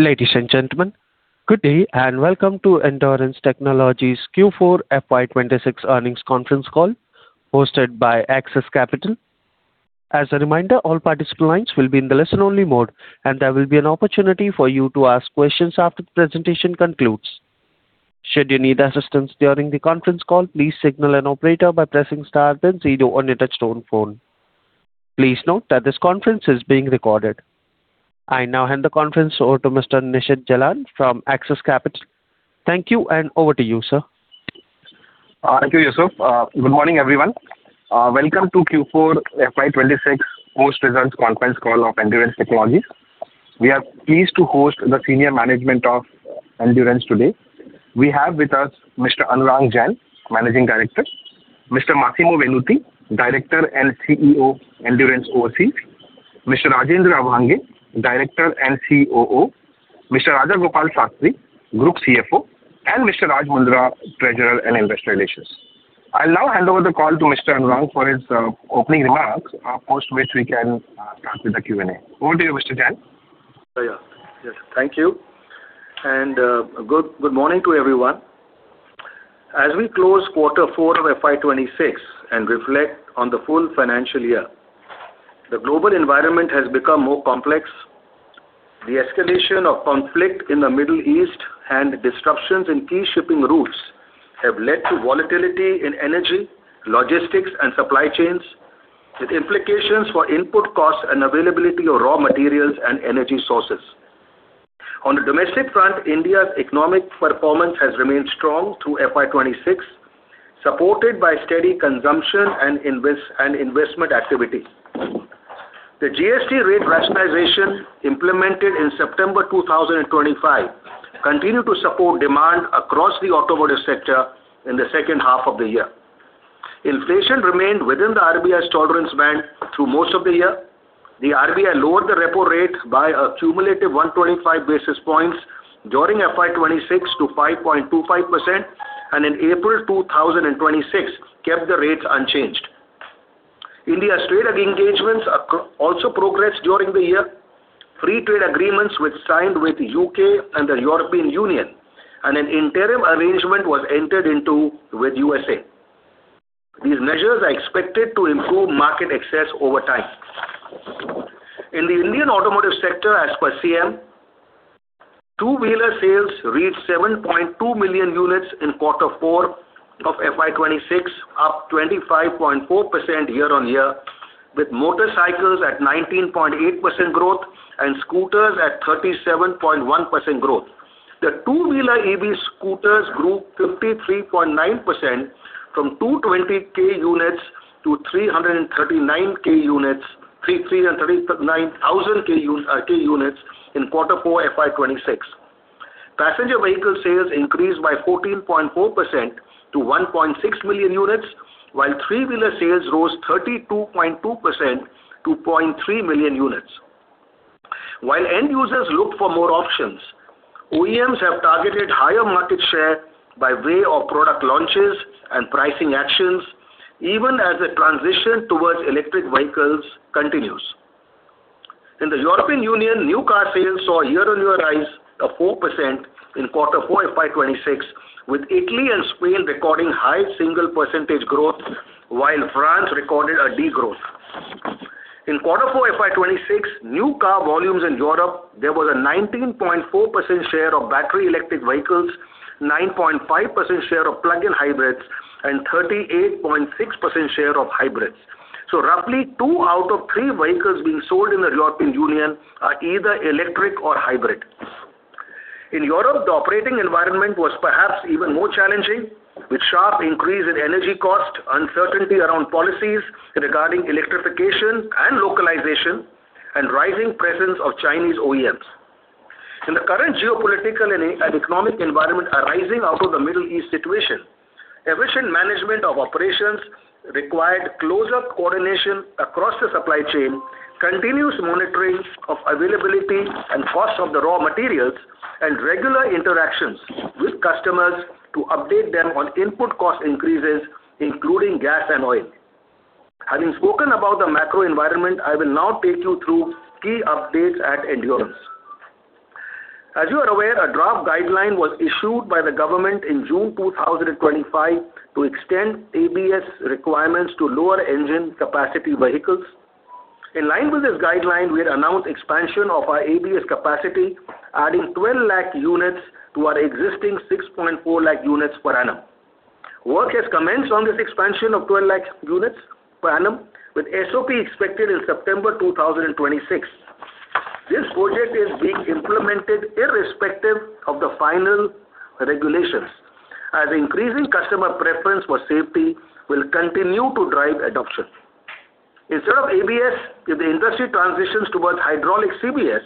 Ladies and gentlemen, good day, welcome to Endurance Technologies Q4 FY 2026 Earnings Conference Call hosted by Axis Capital. As a reminder, all participant lines will be in the listen only mode, and there will be an opportunity for you to ask questions after the presentation concludes. Should you need assistance during the conference call, please signal an operator by pressing star then zero on your touch-tone phone. Please note that this conference is being recorded. I now hand the conference over to Mr. Nishit Jalan from Axis Capital. Thank you, and over to you, sir. Thank you, Yusuf. Good morning, everyone. Welcome to Q4 FY 2026 post-results conference call of Endurance Technologies. We are pleased to host the senior management of Endurance today. We have with us Mr. Anurang Jain, Managing Director; Mr. Massimo Venuti, Director and CEO, Endurance Overseas; Mr. Rajendra Abhange, Director and COO; Mr. Raja Gopal Sastry, Group CFO; and Mr. Raj Mundra, Treasurer and Head – Investor Relations. I will now hand over the call to Mr. Anurang for his opening remarks, post which we can start with the Q&A. Over to you, Mr. Jain. Oh, yeah. Yes. Thank you. Good morning to everyone. As we close quarter 4 of FY 2026 and reflect on the full financial year, the global environment has become more complex. The escalation of conflict in the Middle East and disruptions in key shipping routes have led to volatility in energy, logistics, and supply chains, with implications for input costs and availability of raw materials and energy sources. On the domestic front, India's economic performance has remained strong through FY 2026, supported by steady consumption and investment activity. The GST rate rationalization implemented in September 2025 continued to support demand across the automotive sector in the second half of the year. Inflation remained within the RBI's tolerance band through most of the year. The RBI lowered the repo rate by a cumulative 125 basis points during FY 2026 to 5.25%, and in April 2026, kept the rates unchanged. India's trade engagements also progressed during the year. Free trade agreements were signed with U.K. and the European Union, and an interim arrangement was entered into with U.S.A. These measures are expected to improve market access over time. In the Indian automotive sector, as per SIAM, two-wheeler sales reached 7.2 million units in quarter 4 of FY 2026, up 25.4% year-on-year, with motorcycles at 19.8% growth and scooters at 37.1% growth. The two-wheeler EV scooters grew 53.9% from 220K units-339K units in Q4 FY 2026. Passenger vehicle sales increased by 14.4% to 1.6 million units, while three-wheeler sales rose 32.2% to 0.3 million units. While end users look for more options, OEMs have targeted higher market share by way of product launches and pricing actions, even as the transition towards electric vehicles continues. In the European Union, new car sales saw a year-over-year rise of 4% in Q4 FY 2026, with Italy and Spain recording high single percentage growth, while France recorded a degrowth. In Q4 FY 2026, new car volumes in Europe, there was a 19.4% share of Battery Electric Vehicles, 9.5% share of Plug-in Hybrids, and 38.6% share of hybrids. Roughly two out of three vehicles being sold in the European Union are either electric or hybrid. In Europe, the operating environment was perhaps even more challenging, with sharp increase in energy cost, uncertainty around policies regarding electrification and localization, and rising presence of Chinese OEMs. In the current geopolitical and economic environment arising out of the Middle East situation, efficient management of operations required closer coordination across the supply chain, continuous monitoring of availability and cost of the raw materials, and regular interactions with customers to update them on input cost increases, including gas and oil. Having spoken about the macro environment, I will now take you through key updates at Endurance. As you are aware, a draft guideline was issued by the government in June 2025 to extend ABS requirements to lower engine capacity vehicles. In line with this guideline, we had announced expansion of our ABS capacity, adding 12 lakh units to our existing 6.4 lakh units per annum. Work has commenced on this expansion of 12 lakh units per annum with SOP expected in September 2026. This project is being implemented irrespective of the final regulations, as increasing customer preference for safety will continue to drive adoption. Instead of ABS, if the industry transitions towards hydraulic CBS,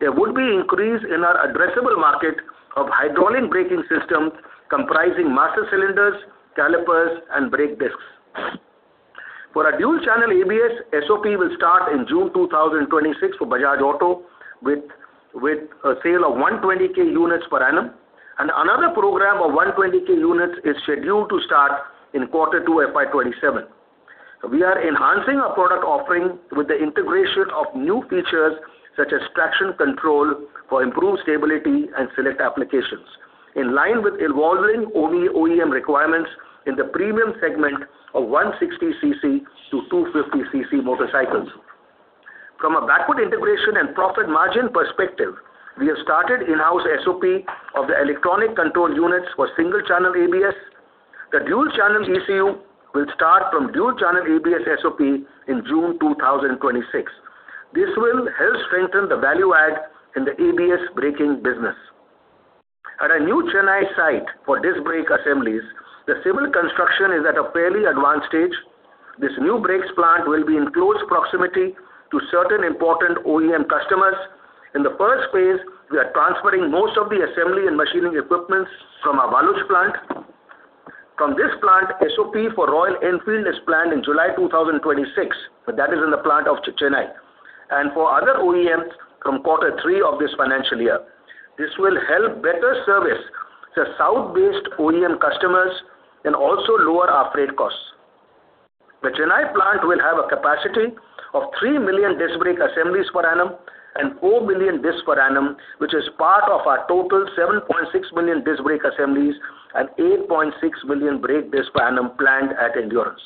there would be increase in our addressable market of hydraulic braking system comprising master cylinders, calipers, and brake discs. For a dual-channel ABS, SOP will start in June 2026 for Bajaj Auto with a sale of 120K units per annum. Another program of 120K units is scheduled to start in quarter 2 FY 2027. We are enhancing our product offering with the integration of new features, such as traction control for improved stability and select applications, in line with evolving OE-OEM requirements in the premium segment of 160 cc-250 cc motorcycles. From a backward integration and profit margin perspective, we have started in-house SOP of the electronic control units for single-channel ABS. The dual-channel ECU will start from dual-channel ABS SOP in June 2026. This will help strengthen the value add in the ABS braking business. At our new Chennai site for this brake assemblies, the civil construction is at a fairly advanced stage. This new brakes plant will be in close proximity to certain important OEM customers. In the first phase, we are transferring most of the assembly and machining equipment from our Waluj plant. From this plant, SOP for Royal Enfield is planned in July 2026, but that is in the plant of Chennai. For other OEMs from quarter 3 of this financial year. This will help better service the south-based OEM customers and also lower our freight costs. The Chennai plant will have a capacity of 3 million disc brake assemblies per annum and 4 million disc per annum, which is part of our total 7.6 million disc brake assemblies and 8.6 million brake disc per annum planned at Endurance.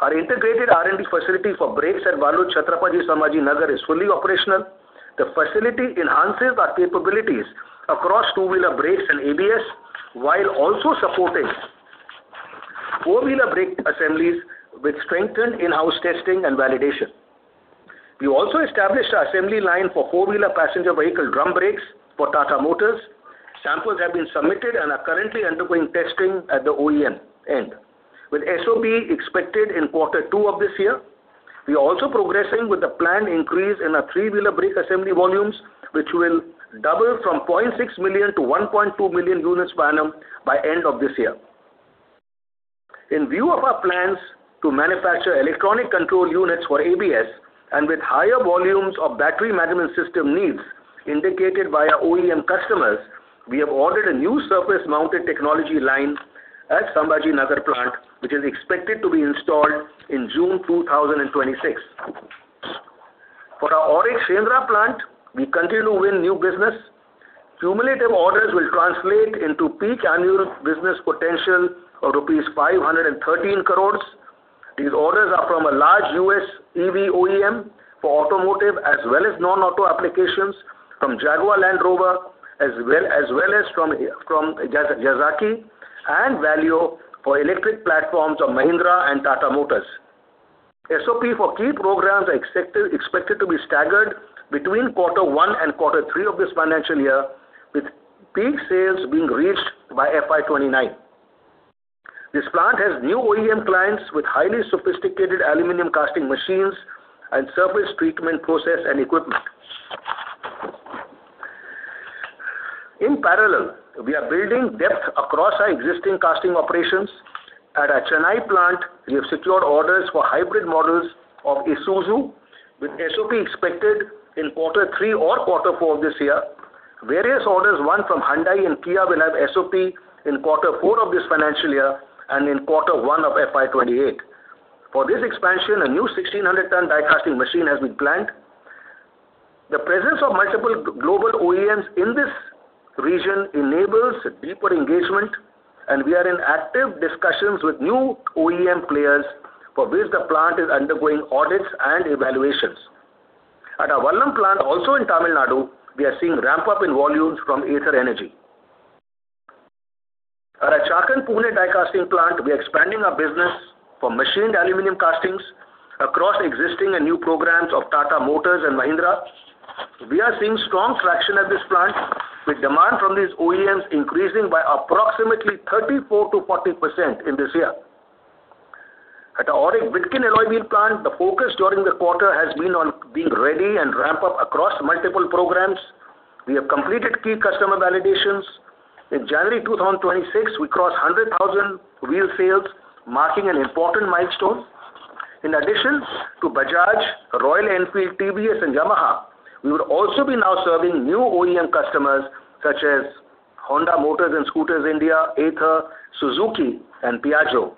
Our integrated R&D facility for brakes at Waluj, Chhatrapati Sambhajinagar, is fully operational. The facility enhances our capabilities across two-wheeler brakes and ABS, while also supporting four-wheeler brake assemblies with strengthened in-house testing and validation. We also established our assembly line for four-wheeler passenger vehicle drum brakes for Tata Motors. Samples have been submitted and are currently undergoing testing at the OEM end, with SOP expected in Q2 of this year. We are also progressing with the planned increase in our three-wheeler brake assembly volumes, which will double from 0.6 million-1.2 million units per annum by end of this year. In view of our plans to manufacture electronic control units for ABS and with higher volumes of battery management system needs indicated by our OEM customers, we have ordered a new surface-mounted technology line at Sambhajinagar plant, which is expected to be installed in June 2026. For our AURIC Shendra plant, we continue to win new business. Cumulative orders will translate into peak annual business potential of rupees 513 crores. These orders are from a large U.S. EV OEM for automotive as well as non-auto applications from Jaguar Land Rover as well, as well as from Yazaki and Valeo for electric platforms of Mahindra and Tata Motors. SOP for key programs are expected to be staggered between Q1 and Q3 of this financial year, with peak sales being reached by FY 2029. This plant has new OEM clients with highly sophisticated aluminum casting machines and surface treatment process and equipment. In parallel, we are building depth across our existing casting operations. At our Chennai plant, we have secured orders for hybrid models of Isuzu, with SOP expected in quarter 3 or quarter 4 of this year. Various orders won from Hyundai & Kia will have SOP in quarter 4 of this financial year and in quarter 1 of FY 2028. For this expansion, a new 1,600 ton die casting machine has been planned. The presence of multiple global OEMs in this region enables deeper engagement, and we are in active discussions with new OEM players for which the plant is undergoing audits and evaluations. At our Vallam plant, also in Tamil Nadu, we are seeing ramp-up in volumes from Ather Energy. At our Chakan, Pune die casting plant, we are expanding our business for machined aluminum castings across existing and new programs of Tata Motors and Mahindra. We are seeing strong traction at this plant, with demand from these OEMs increasing by approximately 34%-40% in this year. At our AURIC, Bidkin alloy wheel plant, the focus during the quarter has been on being ready and ramp up across multiple programs. We have completed key customer validations. In January 2026, we crossed 100,000 wheel sales, marking an important milestone. In addition to Bajaj, Royal Enfield, TVS, and Yamaha, we will also be now serving new OEM customers such as Honda Motorcycle and Scooter India, Ather, Suzuki, and Piaggio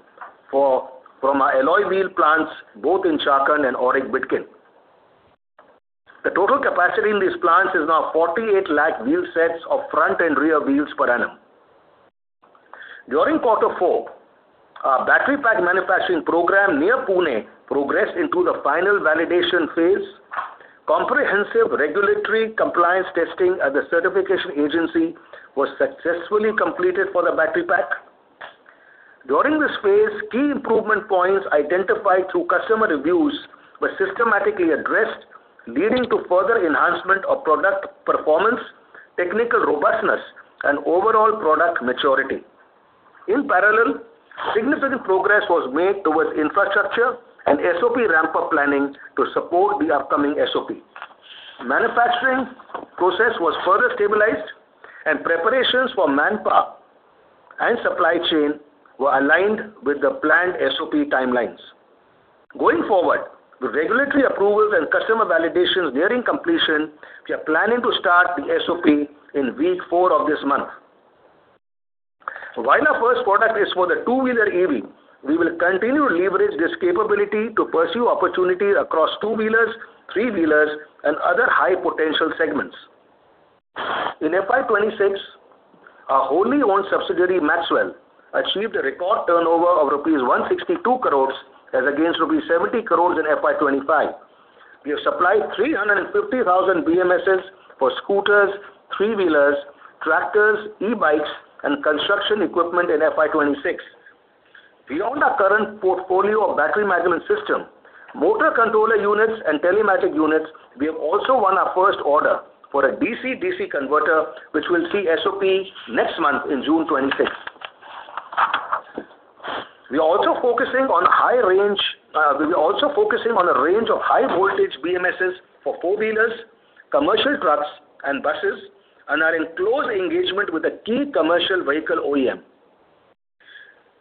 from our alloy wheel plants, both in Chakan and AURIC, Bidkin. The total capacity in these plants is now 48 lakh wheel sets of front and rear wheels per annum. During quarter 4, our battery pack manufacturing program near Pune progressed into the final validation phase. Comprehensive regulatory compliance testing at the certification agency was successfully completed for the battery pack. During this phase, key improvement points identified through customer reviews were systematically addressed, leading to further enhancement of product performance, technical robustness, and overall product maturity. In parallel, significant progress was made towards infrastructure and SOP ramp-up planning to support the upcoming SOP. Manufacturing process was further stabilized and preparations for manpower and supply chain were aligned with the planned SOP timelines. Going forward, with regulatory approvals and customer validations nearing completion, we are planning to start the SOP in week 4 of this month. While our first product is for the two-wheeler EV, we will continue to leverage this capability to pursue opportunity across two-wheelers, three-wheelers and other high potential segments. In FY 2026, our wholly owned subsidiary, Maxwell, achieved a record turnover of rupees 162 crores as against rupees 70 crores in FY 2025. We have supplied 350,000 BMS for scooters, three-wheelers, tractors, e-bikes and construction equipment in FY 2026. Beyond our current portfolio of battery management system, motor controller units and telematics units, we have also won our first order for a DC-DC converter, which will see SOP next month in June 2026. We are also focusing on a range of high voltage BMS for four-wheelers, commercial trucks and buses, and are in close engagement with a key commercial vehicle OEM.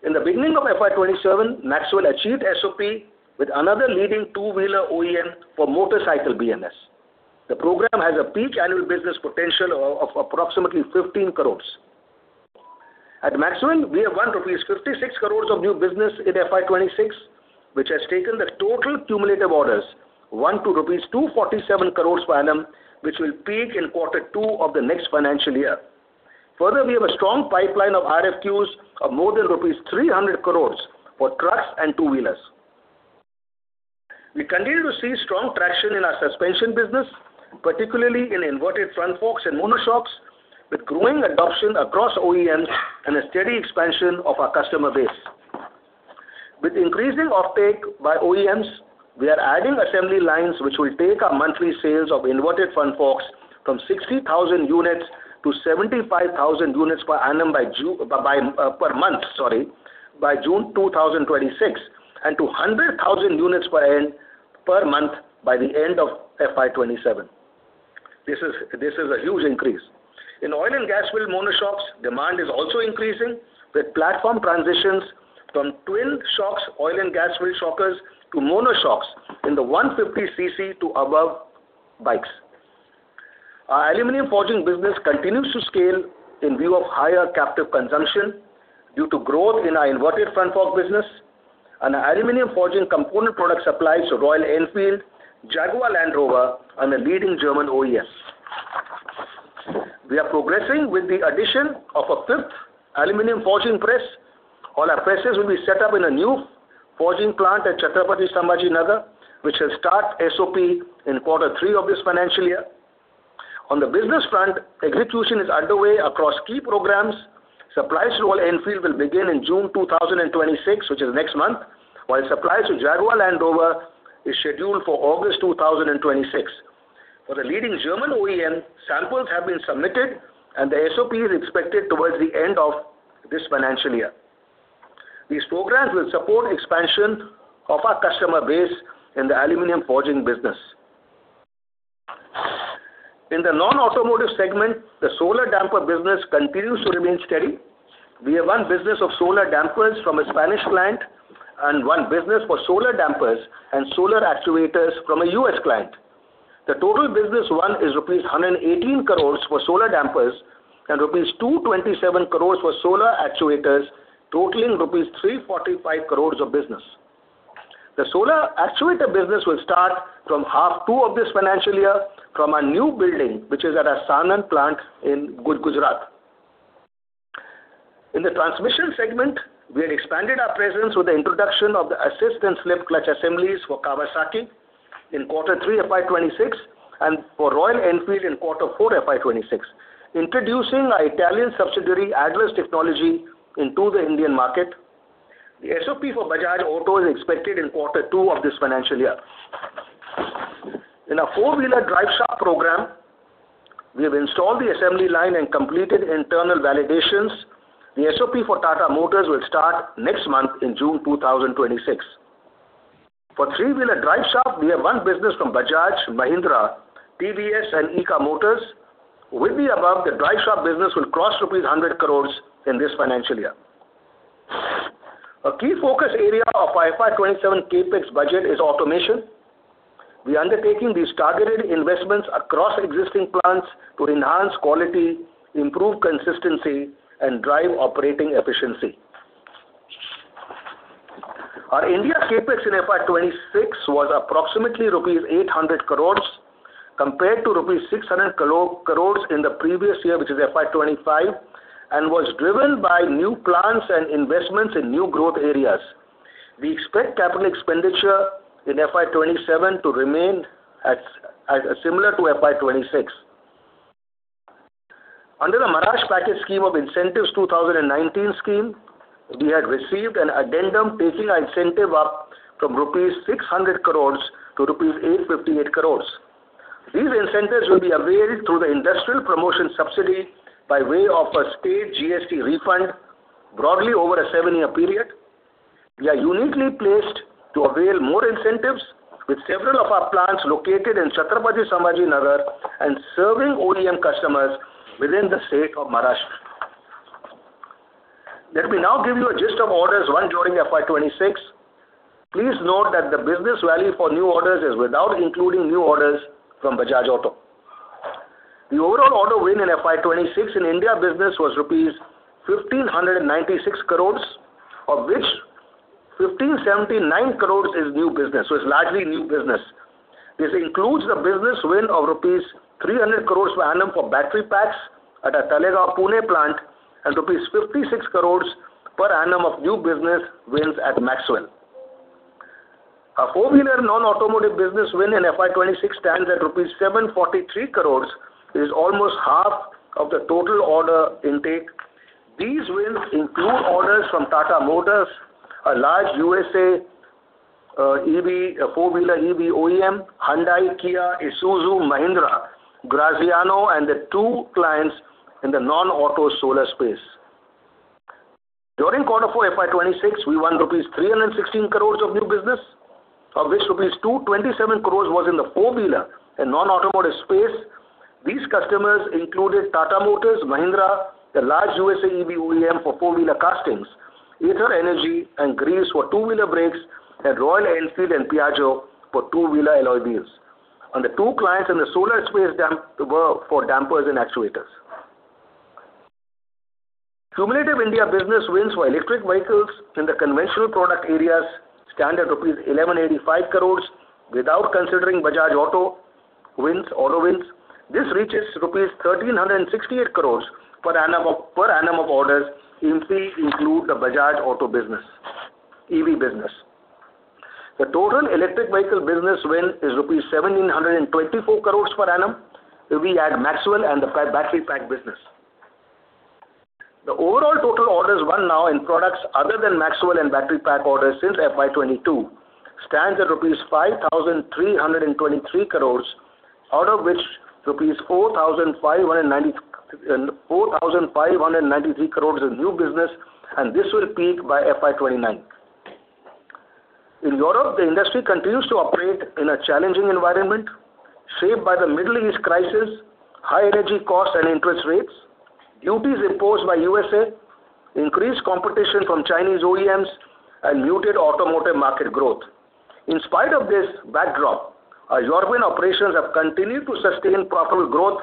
In the beginning of FY 2027, Maxwell achieved SOP with another leading two-wheeler OEM for motorcycle BMS. The program has a peak annual business potential of approximately 15 crores. At Maxwell, we have won rupees 56 crores of new business in FY 2026, which has taken the total cumulative orders won to rupees 247 crores per annum, which will peak in quarter 2 of the next financial year. We have a strong pipeline of RFQs of more than rupees 300 crores for trucks and two-wheelers. We continue to see strong traction in our suspension business, particularly in inverted front forks and monoshocks, with growing adoption across OEMs and a steady expansion of our customer base. With increasing offtake by OEMs, we are adding assembly lines which will take our monthly sales of inverted front forks from 60,000 units- 75,000 units per month by June 2026 and to 100,000 units per month by the end of FY 2027. This is a huge increase. In oil and gas filled monoshocks, demand is also increasing, with platform transitions from twin shocks oil and gas filled shockers to monoshocks in the 150 cc to above bikes. Our aluminum forging business continues to scale in view of higher captive consumption due to growth in our inverted front fork business and our aluminum forging component product supplies to Royal Enfield, Jaguar Land Rover and a leading German OEM. We are progressing with the addition of a fifth aluminum forging press. All our presses will be set up in a new forging plant at Chhatrapati Sambhajinagar, which will start SOP in quarter 3 of this financial year. On the business front, execution is underway across key programs. Supplies to Royal Enfield will begin in June 2026, which is next month, while supplies to Jaguar Land Rover is scheduled for August 2026. For the leading German OEM, samples have been submitted and the SOP is expected towards the end of this financial year. These programs will support expansion of our customer base in the aluminum forging business. In the non-automotive segment, the solar damper business continues to remain steady. We have won business of solar dampers from a Spanish client and won business for solar dampers and solar actuators from a U.S. client. The total business won is rupees 118 crores for solar dampers and rupees 227 crores for solar actuators, totaling rupees 345 crores of business. The solar actuator business will start from half 2 of this financial year from a new building, which is at our Sanand plant in Gujarat. In the transmission segment, we have expanded our presence with the introduction of the assist and slip clutch assemblies for Kawasaki in Q3 FY 2026 and for Royal Enfield in Q4 FY 2026, introducing our Italian subsidiary Adler Technology into the Indian market. The SOP for Bajaj Auto is expected in quarter 2 of this financial year. In our four-wheeler driveshaft program, we have installed the assembly line and completed internal validations. The SOP for Tata Motors will start next month in June 2026. For three-wheeler driveshaft, we have won business from Bajaj, Mahindra, TVS and EKA Motors. With the above, the driveshaft business will cross rupees 100 crores in this financial year. A key focus area of our FY 2027 CapEx budget is automation. We are undertaking these targeted investments across existing plants to enhance quality, improve consistency and drive operating efficiency. Our India CapEx in FY 2026 was approximately rupees 800 crores compared to rupees 600 crores in the previous year, which is FY 2025, and was driven by new plants and investments in new growth areas. We expect capital expenditure in FY 2027 to remain at similar to FY 2026. Under the Maharashtra Package Scheme of Incentives 2019 scheme, we had received an addendum taking our incentive up from 600 crores-858 crores rupees. These incentives will be availed through the Industrial Promotion Subsidy by way of a state GST refund, broadly over a seven-year period. We are uniquely placed to avail more incentives with several of our plants located in Chhatrapati Sambhajinagar and serving OEM customers within the state of Maharashtra. Let me now give you a gist of orders won during FY 2026. Please note that the business value for new orders is without including new orders from Bajaj Auto. The overall order win in FY 2026 in India business was rupees 1,596 crores, of which 1,579 crores is new business, it's largely new business. This includes the business win of rupees 300 crores per annum for battery packs at our Talegaon, Pune plant and rupees 56 crores per annum of new business wins at Maxwell. Our four-wheeler non-automotive business win in FY 2026 stands at rupees 743 crores, is almost half of the total order intake. These wins include orders from Tata Motors, a large USA. four-wheeler EV OEM, Hyundai & Kia, Isuzu, Mahindra, Graziano, and the two clients in the non-auto solar space. During quarter 4 FY 2026, we won rupees 316 crores of new business, of which rupees 227 crores was in the four-wheeler and non-automotive space. These customers included Tata Motors, Mahindra, the large USA EV OEM for four-wheeler castings, Ather Energy, and Greaves for two-wheeler brakes, and Royal Enfield and Piaggio for two-wheeler alloy wheels. The two clients in the solar space were for dampers and actuators. Cumulative India business wins for electric vehicles in the conventional product areas stand at rupees 1,185 crores without considering Bajaj Auto, Auto wins. This reaches rupees 1,368 crores per annum of orders if we include the Bajaj Auto business, EV business. The total electric vehicle business win is 1,724 crores per annum if we add Maxwell and the battery pack business. The overall total orders won now in products other than Maxwell and battery pack orders since FY 2022 stands at rupees 5,323 crores, out of which rupees 4,593 crores is new business, and this will peak by FY 2029. In Europe, the industry continues to operate in a challenging environment shaped by the Middle East crisis, high energy costs and interest rates, duties imposed by USA, increased competition from Chinese OEMs, and muted automotive market growth. In spite of this backdrop, our European operations have continued to sustain profitable growth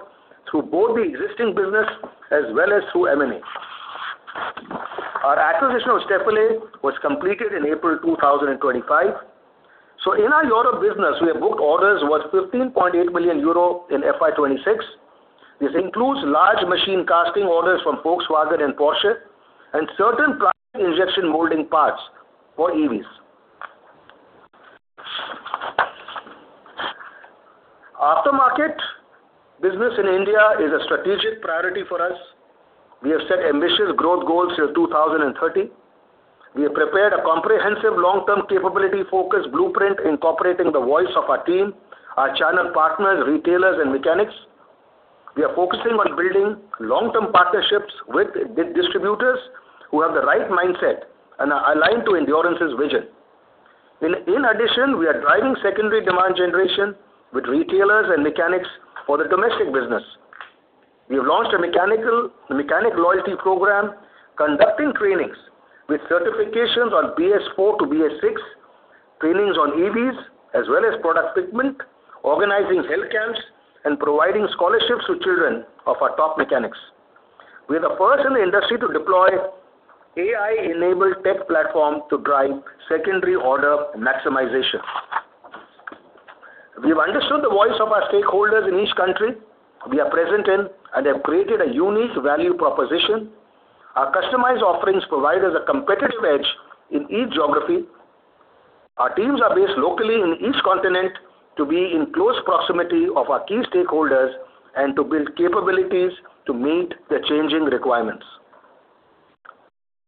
through both the existing business as well as through M&A. Our acquisition of Stöferle was completed in April 2025. In our Europe business, we have booked orders worth 15.8 million euro in FY 2026. This includes large machine casting orders from Volkswagen and Porsche and certain plastic injection molding parts for EVs. Aftermarket business in India is a strategic priority for us. We have set ambitious growth goals through 2030. We have prepared a comprehensive long-term capability-focused blueprint incorporating the voice of our team, our channel partners, retailers, and mechanics. We are focusing on building long-term partnerships with distributors who have the right mindset and are aligned to Endurance's vision. In addition, we are driving secondary demand generation with retailers and mechanics for the domestic business. We have launched a mechanic loyalty program, conducting trainings with certifications on BS4 to BS6, trainings on EVs, as well as product fitment, organizing health camps, and providing scholarships to children of our top mechanics. We are the first in the industry to deploy AI-enabled tech platform to drive secondary order maximization. We've understood the voice of our stakeholders in each country we are present in and have created a unique value proposition. Our customized offerings provide us a competitive edge in each geography. Our teams are based locally in each continent to be in close proximity of our key stakeholders and to build capabilities to meet the changing requirements.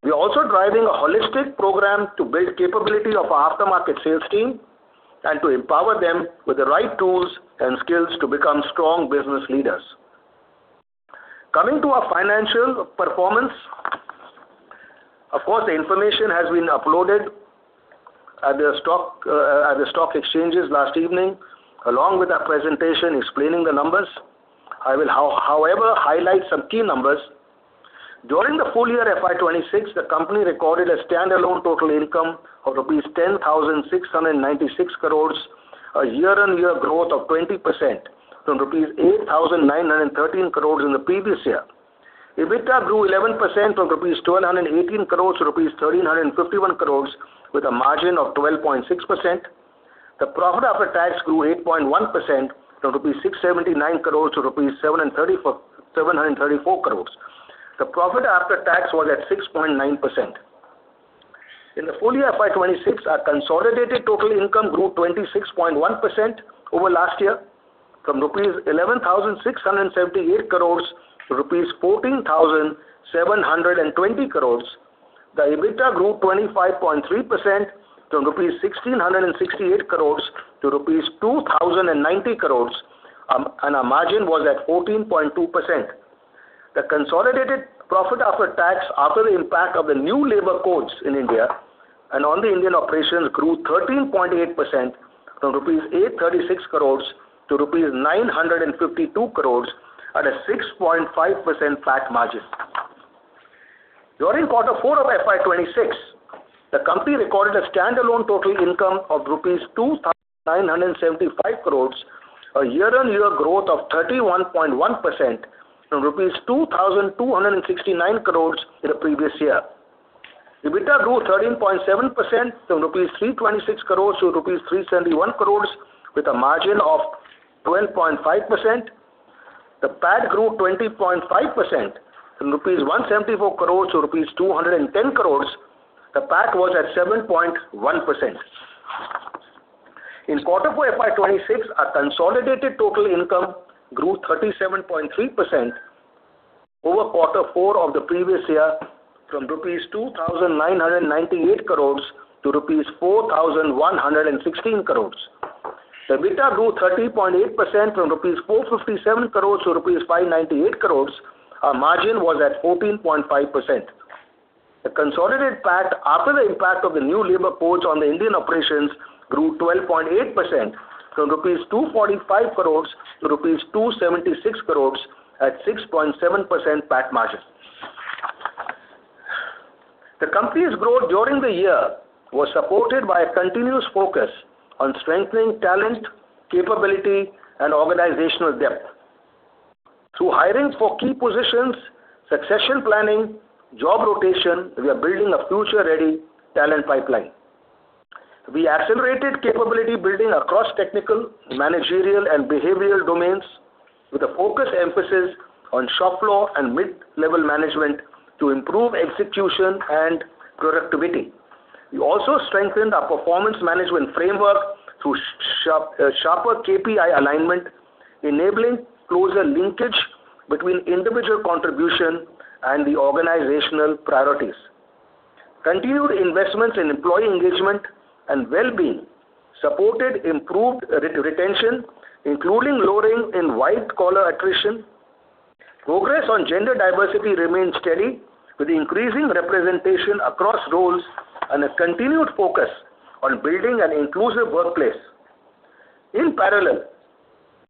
We are also driving a holistic program to build capability of our aftermarket sales team and to empower them with the right tools and skills to become strong business leaders. Coming to our financial performance, of course, the information has been uploaded at the stock exchanges last evening, along with a presentation explaining the numbers. I will, however, highlight some key numbers. During the full year FY 2026, the company recorded a standalone total income of 10,696 crores rupees, a year-on-year growth of 20% from 8,913 crores rupees in the previous year. EBITDA grew 11% from 1,218 crores-1,351 crores rupees with a margin of 12.6%. The profit after tax grew 8.1% from 679 crores-734 crores rupees. The profit after tax was at 6.9%. In the full year FY 2026, our consolidated total income grew 26.1% over last year from 11,678 crores-14,720 crores rupees. The EBITDA grew 25.3% from 1,668 crores-2,090 crores rupees, and our margin was at 14.2%. The consolidated profit after tax, after the impact of the new labor codes in India and on the Indian operations, grew 13.8% from 836 crores-952 crores rupees at a 6.5% PAT margin. During Q4 of FY 2026, the company recorded a standalone total income of rupees 2,975 crores, a year-on-year growth of 31.1% from rupees 2,269 crores in the previous year. EBITDA grew 13.7% from 326 crores-371 crores rupees with a margin of 12.5%. The PAT grew 20.5% from 174 crores-210 crores rupees. The PAT was at 7.1%. In quarter 4 FY 2026, our consolidated total income grew 37.3% over quarter 4 of the previous year from 2,998 crores-4,116 crores rupees. The EBITDA grew 30.8% from 457 crores-598 crores rupees. Our margin was at 14.5%. The consolidated PAT after the impact of the new labor codes on the Indian operations grew 12.8% from 245 crores-276 crores rupees at 6.7% PAT margin. The company's growth during the year was supported by a continuous focus on strengthening talent, capability and organizational depth. Through hiring for key positions, succession planning, job rotation, we are building a future-ready talent pipeline. We accelerated capability building across technical, managerial and behavioral domains with a focus emphasis on shop floor and mid-level management to improve execution and productivity. We also strengthened our performance management framework through sharper KPI alignment, enabling closer linkage between individual contribution and the organizational priorities. Continued investments in employee engagement and well-being supported improved retention, including lowering in white-collar attrition. Progress on gender diversity remains steady with increasing representation across roles and a continued focus on building an inclusive workplace. In parallel,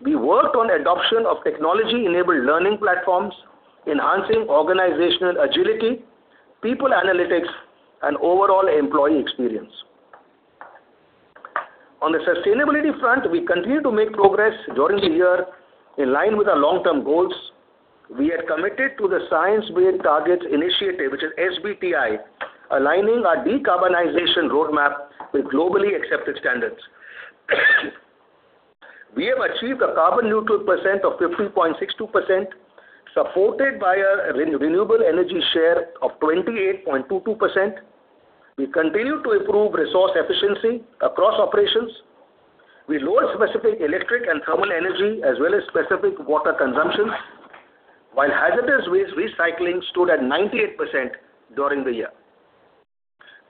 we worked on adoption of technology-enabled learning platforms, enhancing organizational agility, people analytics and overall employee experience. On the sustainability front, we continued to make progress during the year in line with our long-term goals. We are committed to the Science Based Targets initiative, which is SBTi, aligning our decarbonization roadmap with globally accepted standards. We have achieved a carbon neutral percent of 15.62%, supported by a re-renewable energy share of 28.22%. We continue to improve resource efficiency across operations. We lowered specific electric and thermal energy as well as specific water consumptions, while hazardous waste recycling stood at 98% during the year.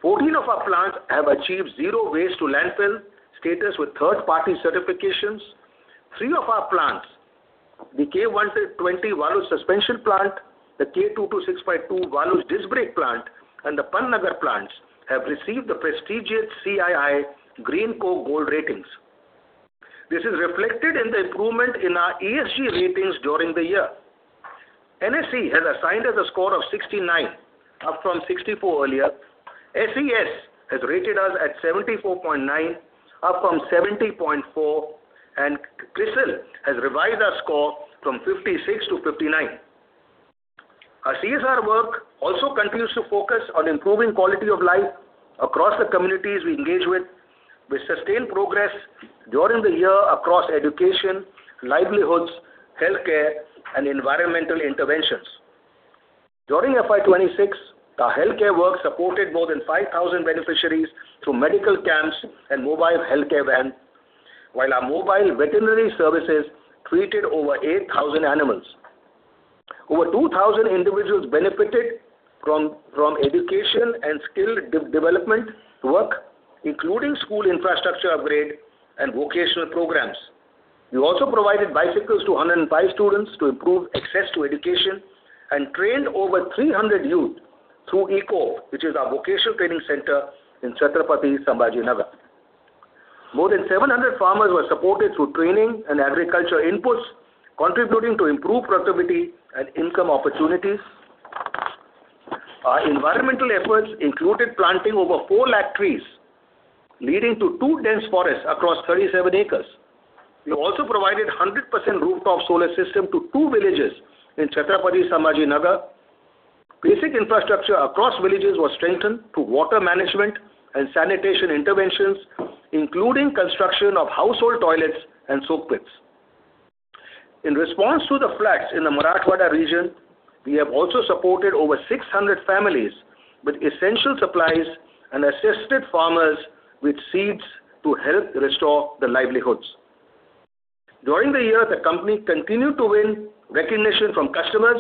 14 of our plants have achieved zero waste to landfill status with third-party certifications. Three of our plants, the K-120 valve suspension plant, the K-226/2 disc brake plant, and the Pantnagar plants have received the prestigious CII GreenPro gold ratings. This is reflected in the improvement in our ESG ratings during the year. NSE has assigned us a score of 69, up from 64 earlier. SES has rated us at 74.9, up from 70.4, and CRISIL has revised our score from 56-59. Our CSR work also continues to focus on improving quality of life across the communities we engage with. We sustained progress during the year across education, livelihoods, healthcare and environmental interventions. During FY 2026, our healthcare work supported more than 5,000 beneficiaries through medical camps and mobile healthcare van, while our mobile veterinary services treated over 8,000 animals. Over 2,000 individuals benefited from education and skill development work, including school infrastructure upgrade and vocational programs. We also provided bicycles to 105 students to improve access to education and trained over 300 youth through ECOVE, which is our vocational training center in Chhatrapati Sambhajinagar. More than 700 farmers were supported through training and agriculture inputs, contributing to improved productivity and income opportunities. Our environmental efforts included planting over 4 lakh trees, leading to two dense forests across 37 acres. We also provided 100% rooftop solar system to two villages in Chhatrapati Sambhajinagar. Basic infrastructure across villages was strengthened through water management and sanitation interventions, including construction of household toilets and soak pits. In response to the floods in the Marathwada region, we have also supported over 600 families with essential supplies and assisted farmers with seeds to help restore their livelihoods. During the year, the company continued to win recognition from customers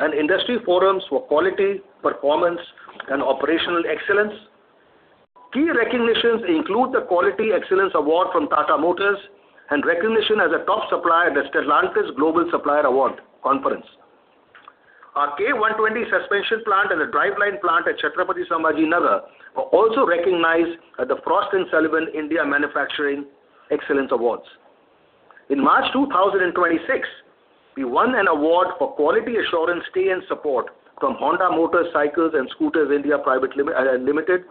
and industry forums for quality, performance and operational excellence. Key recognitions include the Quality Excellence Award from Tata Motors and recognition as a top supplier at the Stellantis Global Supplier Award Conference. Our K-120 suspension plant and the driveline plant at Chhatrapati Sambhajinagar were also recognized at the Frost & Sullivan India Manufacturing Excellence Awards. In March 2026, we won an award for quality assurance stay and support from Honda Motorcycle and Scooter India Private Limited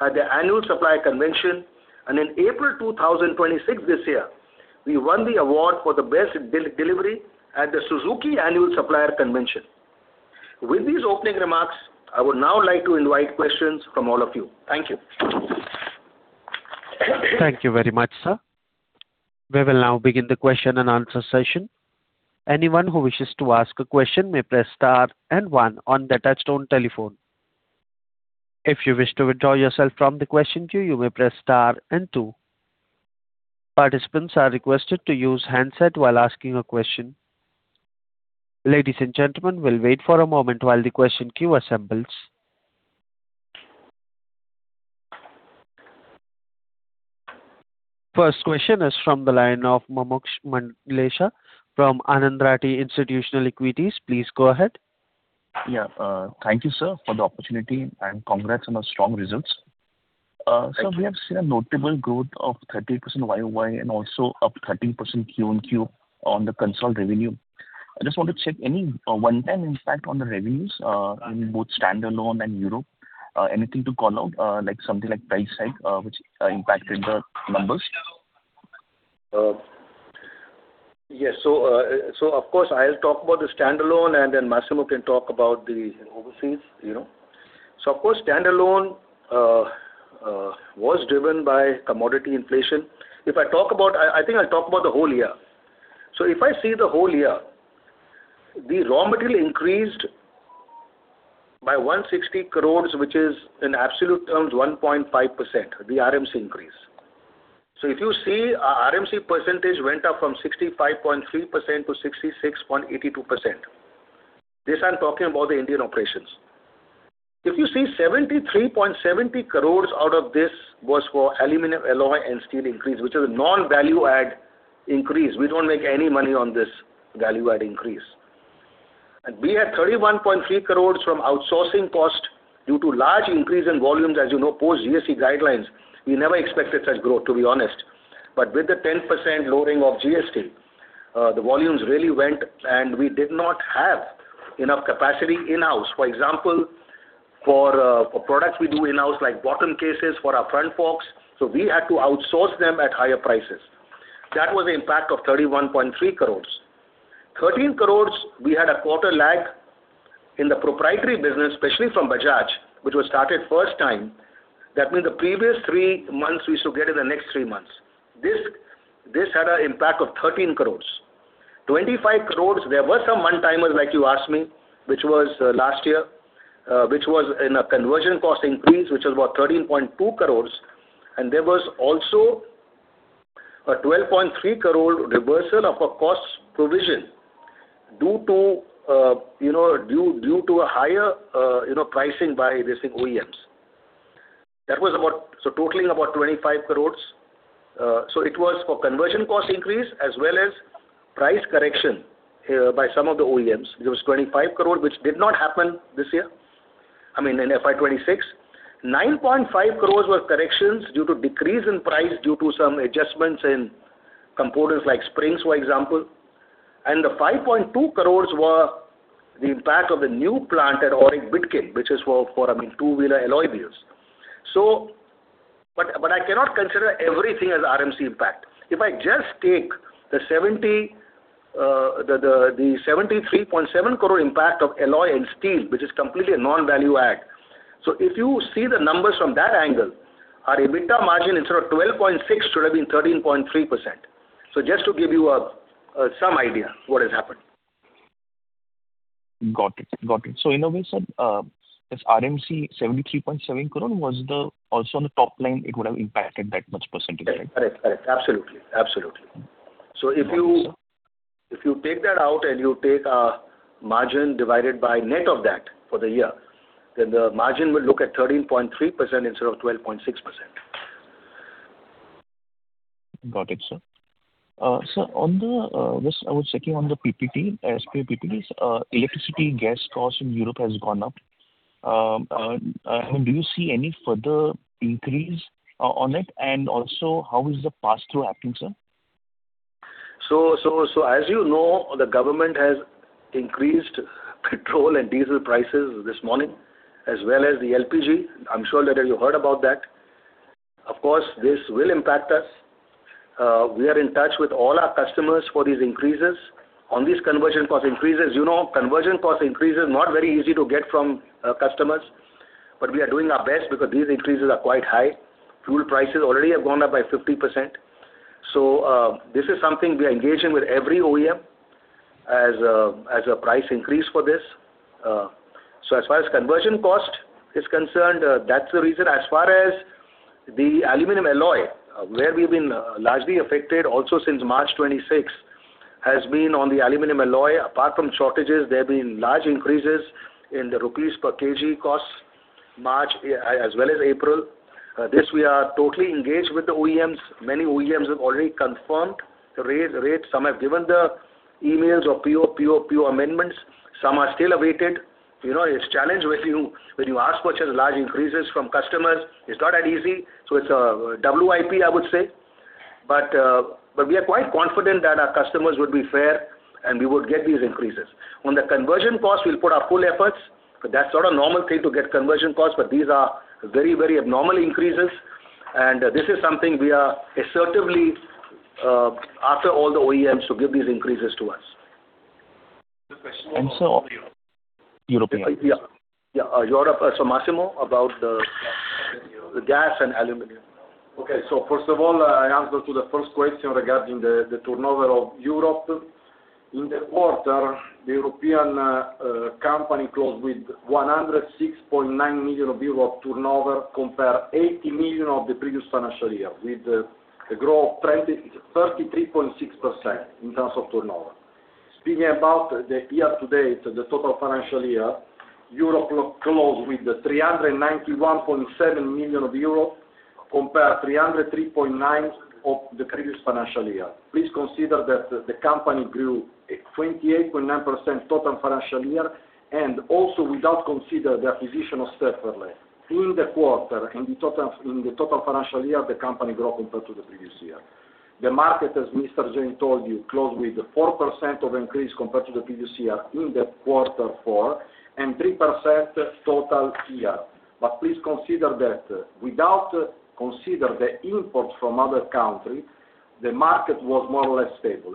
at their annual supplier convention. In April 2026 this year, we won the award for the best delivery at the Suzuki Annual Supplier Convention. With these opening remarks, I would now like to invite questions from all of you. Thank you. Thank you very much, sir. We will now begin the question and answer session. Anyone who wishes to ask a question may press star and one on their touch-tone telephone. If you wish to withdraw yourself from the question queue, you may press star and two. Participants are requested to use handset while asking a question. Ladies and gentlemen, we will wait for a moment while the question queue assembles. First question is from the line of Mumuksh Mandlesha from Anand Rathi Institutional Equities. Please go ahead. Yeah. Thank you, sir, for the opportunity, and congrats on the strong results. Thank you. We have seen a notable growth of 30% year-over-year and also up 13% quarter-over-quarter on the consolidated revenue. I just want to check any one-time impact on the revenues in both standalone and Europe. Anything to call out like something like price hike which impacted the numbers? Yes. Of course, I'll talk about the standalone and then Massimo can talk about the overseas, you know. Of course, standalone was driven by commodity inflation. If I talk about, I think I'll talk about the whole year. If I see the whole year, the raw material increased by 160 crores, which is in absolute terms 1.5%, the RMC increase. If you see our RMC percentage went up from 65.3%-66.82%. This I'm talking about the Indian operations. If you see 73.70 crores out of this was for aluminum alloy and steel increase, which is a non-value add increase. We don't make any money on this value add increase. We had 31.3 crores from outsourcing cost due to large increase in volumes. As you know, post GST guidelines, we never expected such growth, to be honest. With the 10% lowering of GST, the volumes really went, and we did not have enough capacity in-house. For example, for products we do in-house, like bottom cases for our front forks, we had to outsource them at higher prices. That was the impact of 31.3 crores. 13 crores, we had a quarter lag in the proprietary business, especially from Bajaj, which was started first time. That means the previous three months we used to get in the next three months. This had a impact of 13 crores. 25 crores, there were some one-timers like you asked me, which was last year, which was in a conversion cost increase, which was about 13.2 crores. There was also a 12.3 crore reversal of a cost provision due to, you know, due to a higher, you know, pricing by basic OEMs. That was about totaling about 25 crore. It was for conversion cost increase as well as price correction by some of the OEMs. It was 25 crore, which did not happen this year, I mean, in FY 2026. 9.5 crore were corrections due to decrease in price due to some adjustments in components like springs, for example. The 5.2 crore were the impact of the new plant at AURIC, Bidkin, which is for, I mean, two-wheeler alloy wheels. I cannot consider everything as RMC impact. If I just take the 73.7 crore impact of alloy and steel, which is completely a non-value add. If you see the numbers from that angle, our EBITDA margin instead of 12.6% should have been 13.3%. Just to give you some idea what has happened. Got it. Got it. In a way, sir, this RMC 73.7 crore also on the top line, it would have impacted that much percent, right? Correct. Absolutely. Awesome. If you take that out and you take a margin divided by net of that for the year, the margin will look at 13.3% instead of 12.6%. Got it, sir. Sir, on the, just I was checking on the PPT, SP PPTs, electricity gas costs in Europe has gone up. Do you see any further increase on it? Also, how is the pass-through happening, sir? As you know, the government has increased petrol and diesel prices this morning as well as the LPG. I'm sure that you heard about that. Of course, this will impact us. We are in touch with all our customers for these increases. On these conversion cost increases, you know, conversion cost increase is not very easy to get from customers, but we are doing our best because these increases are quite high. Fuel prices already have gone up by 50%. This is something we are engaging with every OEM as a price increase for this. As far as conversion cost is concerned, that's the reason. As far as the aluminum alloy, where we've been largely affected also since March 26, has been on the aluminum alloy. Apart from shortages, there have been large increases in the rupees per kg costs March, as well as April. This we are totally engaged with the OEMs. Many OEMs have already confirmed the rate. Some have given the emails or PO amendments, some are still awaited. You know, it's challenge when you ask for such large increases from customers, it's not that easy, so it's WIP, I would say. We are quite confident that our customers would be fair and we would get these increases. On the conversion cost, we'll put our full efforts. That's not a normal thing to get conversion costs, but these are very, very abnormal increases, and this is something we are assertively after all the OEMs to give these increases to us. The question of Europe. European. Yeah. Yeah, Europe. Massimo, about the gas and aluminum. Okay. First of all, I answer to the first question regarding the turnover of Europe. In the quarter, the European company closed with 106.9 million euro of turnover, compare 80 million of the previous financial year, with a growth of 33.6% in terms of turnover. Speaking about the year to date, the total financial year, Europe closed with 391.7 million euro, compared 303.9 million euros of the previous financial year. Please consider that the company grew 28.9% total financial year, and also without consider the acquisition of Stöferle. In the quarter, in the total financial year, the company grew compared to the previous year. The market, as Mr. Jain told you, closed with 4% of increase compared to the previous year in the quarter 4, and 3% total year. Please consider that without consider the import from other country, the market was more or less stable.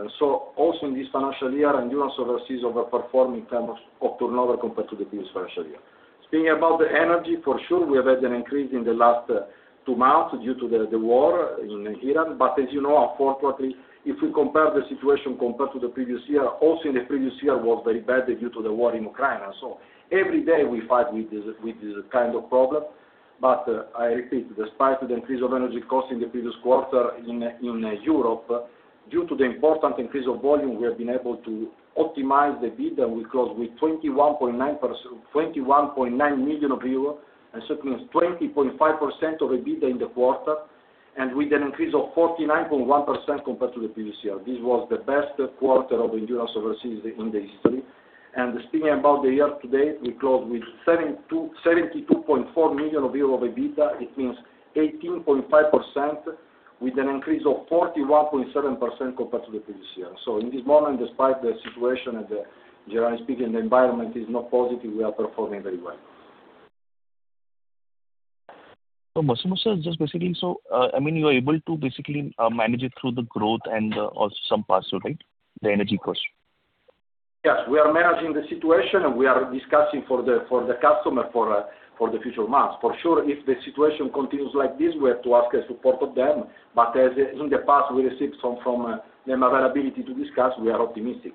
Also in this financial year, Endurance Overseas overperformed in terms of turnover compared to the previous financial year. Speaking about the energy, for sure, we have had an increase in the last two months due to the war in Iran. As you know, unfortunately, if we compare the situation compared to the previous year, also in the previous year was very bad due to the war in Ukraine. Every day we fight with this kind of problem. I repeat, despite the increase of energy cost in the previous quarter in Europe, due to the important increase of volume, we have been able to optimize the EBITDA. We closed with 21.9 million euros, it means 20.5% of EBITDA in the quarter, and with an increase of 49.1% compared to the previous year. This was the best quarter of Endurance Overseas in the history. Speaking about the year to date, we closed with 72.4 million euro of EBITDA. It means 18.5% with an increase of 41.7% compared to the previous year. In this moment, despite the situation and generally speaking, the environment is not positive, we are performing very well. Massimo, sir, just basically, I mean, you are able to basically manage it through the growth and or some parts, right? The energy cost. Yes, we are managing the situation, and we are discussing for the customer for the future months. For sure, if the situation continues like this, we have to ask the support of them. As in the past, we received some from them availability to discuss, we are optimistic.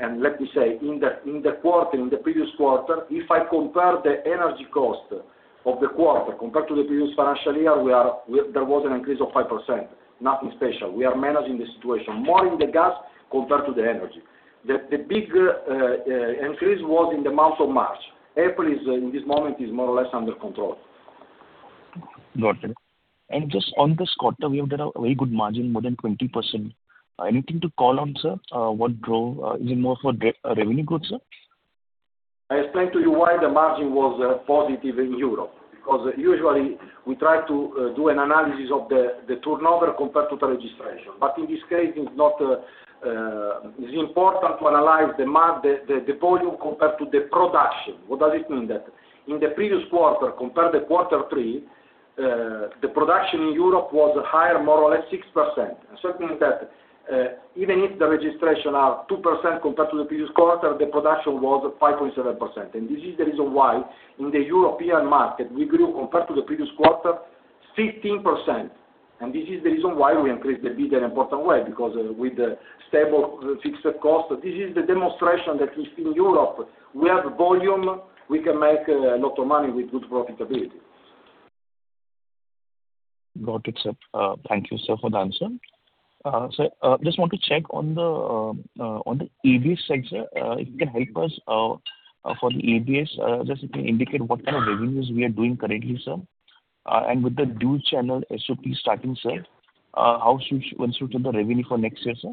Let me say, in the quarter, in the previous quarter, if I compare the energy cost of the quarter compared to the previous financial year, we there was an increase of 5%, nothing special. We are managing the situation. More in the gas compared to the energy. The big increase was in the month of March. April is, in this moment, is more or less under control. Got it. Just on this quarter, we have done a very good margin, more than 20%. Anything to call on, sir? What drove, is it more for revenue growth, sir? I explained to you why the margin was positive in Europe. Usually we try to do an analysis of the turnover compared to the registration. In this case, it's not. It's important to analyze the volume compared to the production. What does it mean that in the previous quarter, compare the quarter 3, the production in Europe was higher more or less 6%. Certainly that, even if the registration are 2% compared to the previous quarter, the production was 5.7%. This is the reason why in the European market, we grew compared to the previous quarter 15%. This is the reason why we increased the EBITDA in important way, with the stable fixed cost. This is the demonstration that if in Europe we have volume, we can make a lot of money with good profitability. Got it, sir. Thank you, sir, for the answer. Sir, just want to check on the ABS side, sir. If you can help us for the ABS, just if you indicate what kind of revenues we are doing currently, sir. With the dual channel SOP starting, sir, how one should do the revenue for next year, sir?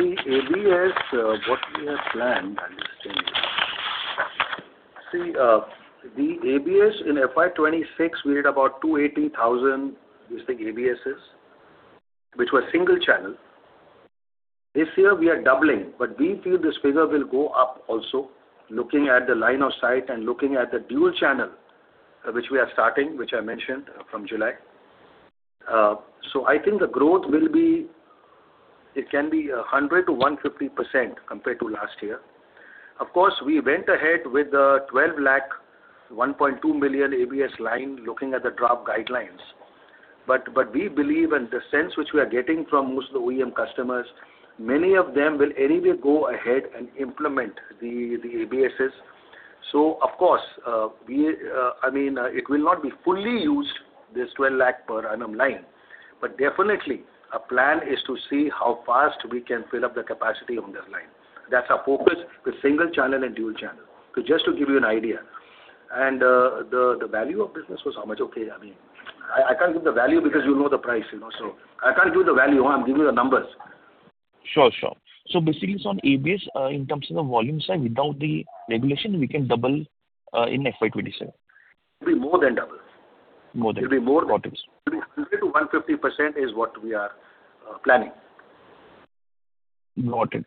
ABS, what we have planned, I'll just change it. The ABS in FY 2026, we had about 280,000, we think ABSs, which were single channel. This year we are doubling, but we feel this figure will go up also, looking at the line of sight and looking at the dual channel, which I mentioned from July. I think the growth will be, it can be 100%-150% compared to last year. Of course, we went ahead with the 12 lakh, 1.2 million ABS line looking at the draft guidelines. We believe and the sense which we are getting from most of the OEM customers, many of them will anyway go ahead and implement the ABSs. Of course, we, I mean, it will not be fully used, this 12 lakh per annum line. Definitely, our plan is to see how fast we can fill up the capacity on this line. That's our focus with single channel and dual channel. Just to give you an idea, the value of business was how much? Okay. I mean, I can't give the value because you know the price, you know? I can't give the value. I'm giving you the numbers. Sure. Sure. Basically it's on ABS, in terms of the volume side, without the regulation, we can double in FY 2027. It'll be more than double. More than double. It'll be more- Got it. It'll be 50%-150% is what we are planning. Got it.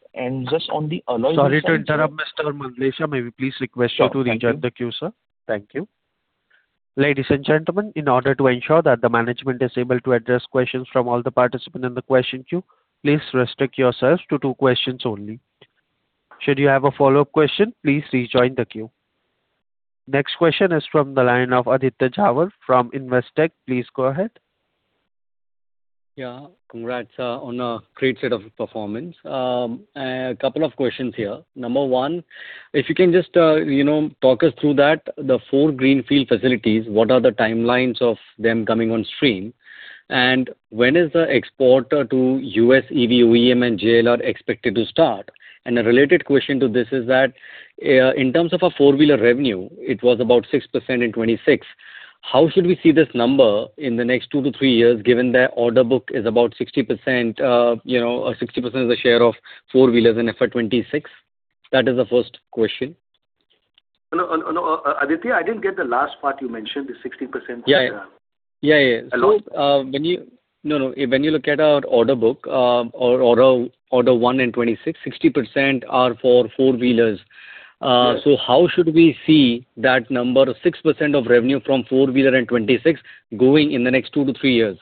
Just on the alloy wheels side. Sorry to interrupt, Mr. Mandlesha. May we please request you to rejoin the queue, sir? Thank you. Ladies and gentlemen, in order to ensure that the management is able to address questions from all the participants in the question queue, please restrict yourselves to two questions only. Should you have a follow-up question, please rejoin the queue. Next question is from the line of Aditya Jhawar from Investec. Please go ahead. Yeah. Congrats on a great set of performance. A couple of questions here. Number 1, if you can just, you know, talk us through that, the four greenfield facilities, what are the timelines of them coming on stream? When is the export to U.S. EV OEM and JLR expected to start? A related question to this is that, in terms of a four-wheeler revenue, it was about 6% in 2026. How should we see this number in the next 2-3 years, given their order book is about 60%, you know, or 60% is the share of four-wheelers in FY 2026? That is the first question. No, no, Aditya, I didn't get the last part you mentioned, the 60% of the. Yeah. Yeah, yeah. Allotment. When you look at our order book, our order 1 in 26, 60% are for four-wheelers. Yes. How should we see that number, 6% of revenue from four-wheeler in 2026 growing in the next 2-3 years?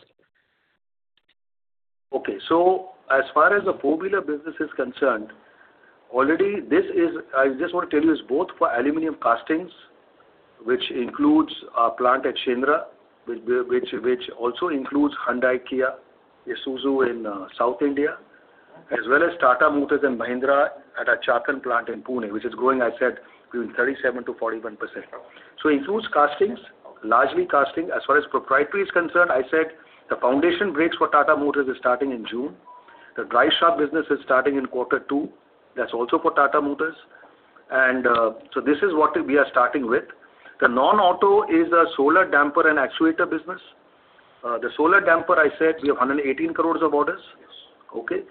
Okay. As far as the four-wheeler business is concerned, already I just want to tell you it's both for aluminum castings, which includes our plant at Shendra, which also includes Hyundai & Kia, Isuzu in South India, as well as Tata Motors and Mahindra at our Chakan plant in Pune, which is growing, I said, between 37%-41%. It includes castings, largely casting. As far as proprietary is concerned, I said the foundation brakes for Tata Motors is starting in June. The driveshaft business is starting in quarter 2. That's also for Tata Motors. This is what we are starting with. The non-auto is a solar damper and actuator business. The solar damper, I said we have 118 crores of orders. Yes. Okay?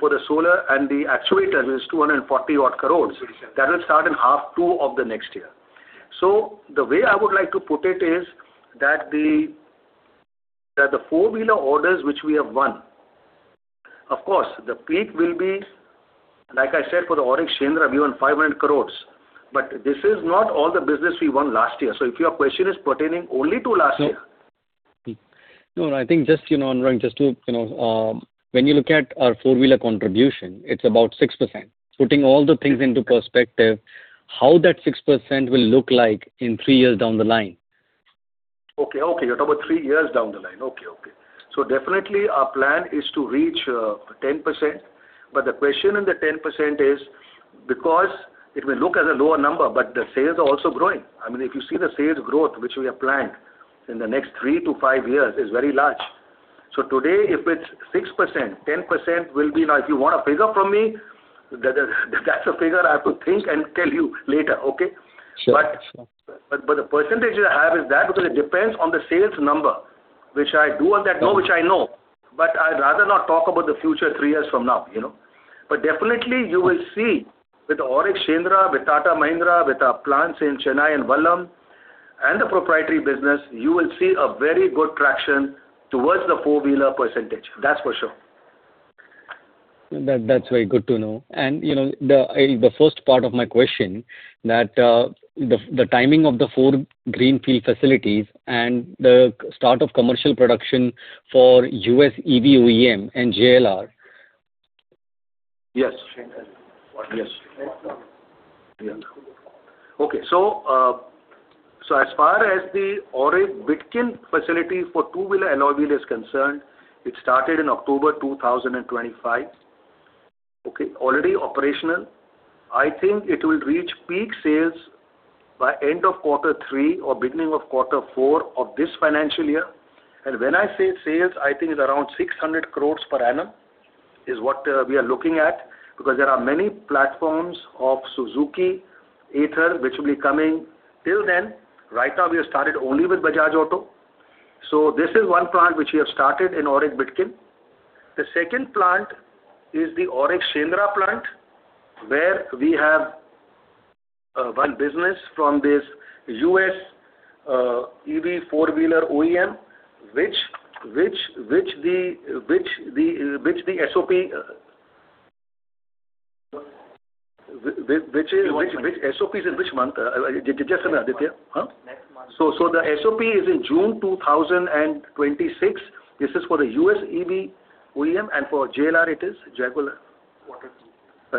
For the solar and the actuator, which is 240 odd crores. Twenty-seven That will start in half 2 of the next year. The way I would like to put it is that the four-wheeler orders which we have won, of course, the peak will be, like I said, for the AURIC Shendra, we want 500 crores, but this is not all the business we won last year. If your question is pertaining only to last year? No. No, I think just, you know, Anurang, just to, you know, when you look at our four-wheeler contribution, it's about 6%. Putting all the things into perspective, how that 6% will look like in three years down the line? Okay. Okay. You're talking about three years down the line. Okay. Okay. Definitely our plan is to reach 10%, but the question in the 10% is because it will look as a lower number, but the sales are also growing. I mean, if you see the sales growth which we have planned in the next 3-5 years is very large. Today, if it's 6%, 10% will be Now, if you want a figure from me, that's a figure I have to think and tell you later. Okay? Sure. Sure. But the percentage I have is that because it depends on the sales number, which I do want that know, which I know, but I'd rather not talk about the future three years from now, you know. Definitely you will see with AURIC Shendra, with Tata, Mahindra, with our plants in Chennai and Vallam, and the proprietary business, you will see a very good traction towards the four-wheeler percentage. That's for sure. That's very good to know. You know, the first part of my question that the timing of the four greenfield facilities and the start of commercial production for U.S. EV OEM and JLR. Yes. Yes. Okay. As far as the AURIC Bidkin facility for two-wheeler alloy wheel is concerned, it started in October 2025. Okay. Already operational. I think it will reach peak sales by end of quarter 3 or beginning of quarter 4 of this financial year. When I say sales, I think it's around 600 crores per annum is what we are looking at, because there are many platforms of Suzuki, Ather, which will be coming. Till then, right now we have started only with Bajaj Auto. This is one plant which we have started in AURIC Bidkin. The second plant is the AURIC Shendra plant, where we have one business from this U.S. EV four-wheeler OEM, which the SOP SOP is in which month? just say Aditya. Huh? Next month. The SOP is in June 2026. This is for the U.S. EV OEM. For JLR it is? Jaguar. Quarter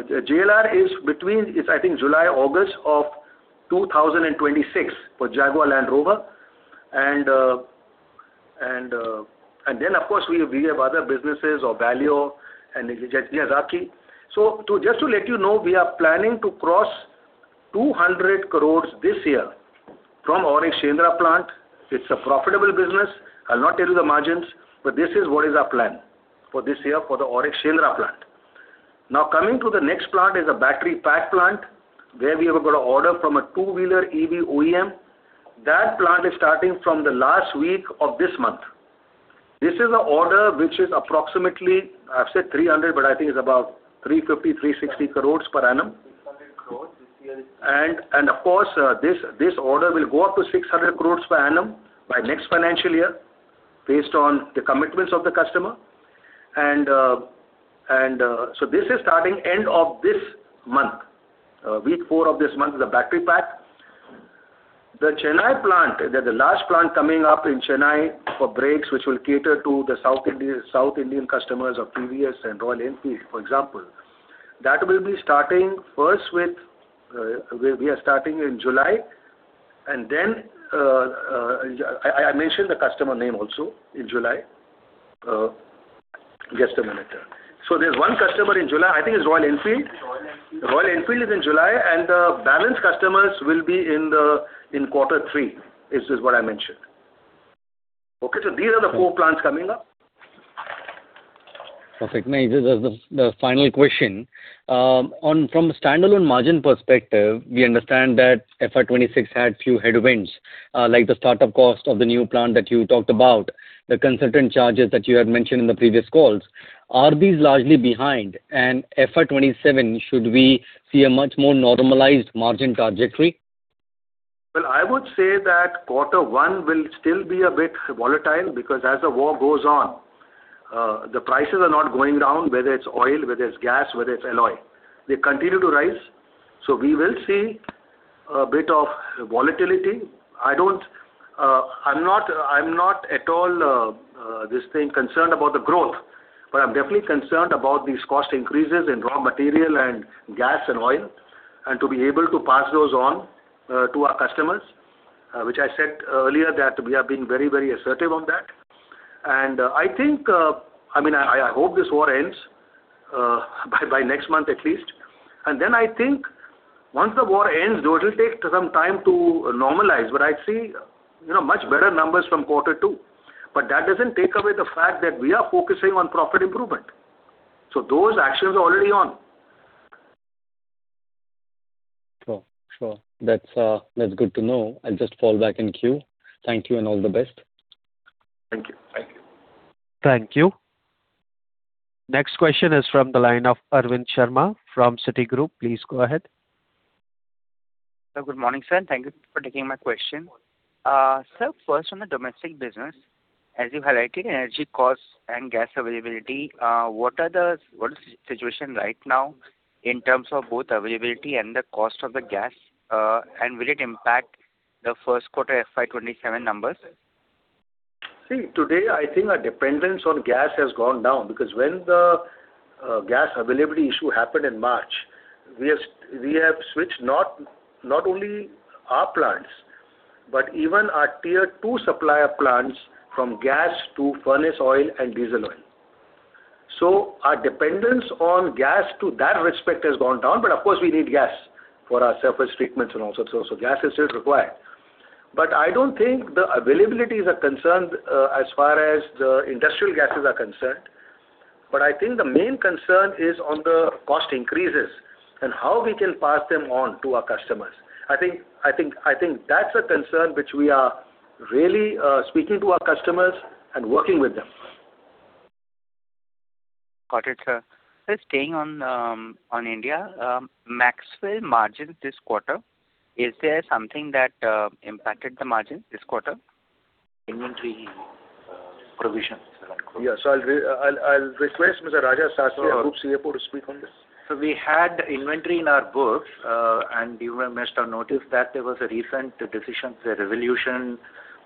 2. JLR is between July, August of 2026 for Jaguar Land Rover. Of course, we have other businesses of Valeo and Suzuki. Just to let you know, we are planning to cross 200 crores this year from AURIC Shendra plant. It's a profitable business. I'll not tell you the margins, this is what is our plan for this year for the AURIC Shendra plant. Coming to the next plant is a battery pack plant where we have got a order from a two-wheeler EV OEM. That plant is starting from the last week of this month. This is a order which is approximately, I've said 300, I think it's about 350-360 crores per annum. INR 600 crores this year. Of course, this order will go up to 600 crore per annum by next financial year based on the commitments of the customer. This is starting end of this month. Week 4 of this month is a battery pack. The Chennai plant, the large plant coming up in Chennai for brakes, which will cater to the South Indian customers of TVS and Royal Enfield, for example, that will be starting first with, we are starting in July and then, I mention the customer name also in July. Just a minute. There's one customer in July, I think it's Royal Enfield. Royal Enfield. Royal Enfield is in July, and the balance customers will be in the, in quarter 3, is just what I mentioned. Okay. These are the four plants coming up. Perfect. This is the final question. From a standalone margin perspective, we understand that FY 2026 had few headwinds, like the startup cost of the new plant that you talked about, the consultant charges that you had mentioned in the previous calls. Are these largely behind? FY 2027, should we see a much more normalized margin trajectory? Well, I would say that Q1 will still be a bit volatile because as the war goes on, the prices are not going down, whether it's oil, whether it's gas, whether it's alloy. They continue to rise. We will see a bit of volatility. I don't, I'm not at all this thing concerned about the growth, but I'm definitely concerned about these cost increases in raw material and gas and oil, and to be able to pass those on to our customers, which I said earlier that we have been very, very assertive on that. I think, I mean, I hope this war ends by next month at least. I think once the war ends, though it'll take some time to normalize, but I'd see, you know, much better numbers from quarter 2. That doesn't take away the fact that we are focusing on profit improvement. Those actions are already on. Sure. Sure. That's good to know. I'll just fall back in queue. Thank you and all the best. Thank you. Thank you. Thank you. Next question is from the line of Arvind Sharma from Citigroup. Please go ahead. Good morning, sir. Thank you for taking my question. Sir, first on the domestic business, as you highlighted energy costs and gas availability, what is the situation right now in terms of both availability and the cost of the gas? Will it impact the first quarter FY 2027 numbers? See, today, I think our dependence on gas has gone down because when the gas availability issue happened in March, we have switched not only our plants, but even our tier 2 supplier plants from gas to furnace oil and diesel oil. Our dependence on gas to that respect has gone down. Of course we need gas for our surface treatments and all sorts. Gas is still required. I don't think the availability is a concern as far as the industrial gases are concerned. I think the main concern is on the cost increases and how we can pass them on to our customers. I think that's a concern which we are really speaking to our customers and working with them. Got it, sir. Sir, staying on India, Maxwell margin this quarter, is there something that impacted the margin this quarter? Inventory, provision, sir. Yeah. I'll request Mr. Raja Sastry, our Group CFO, to speak on this. We had inventory in our books, and you may have noticed that there was a recent decision, a resolution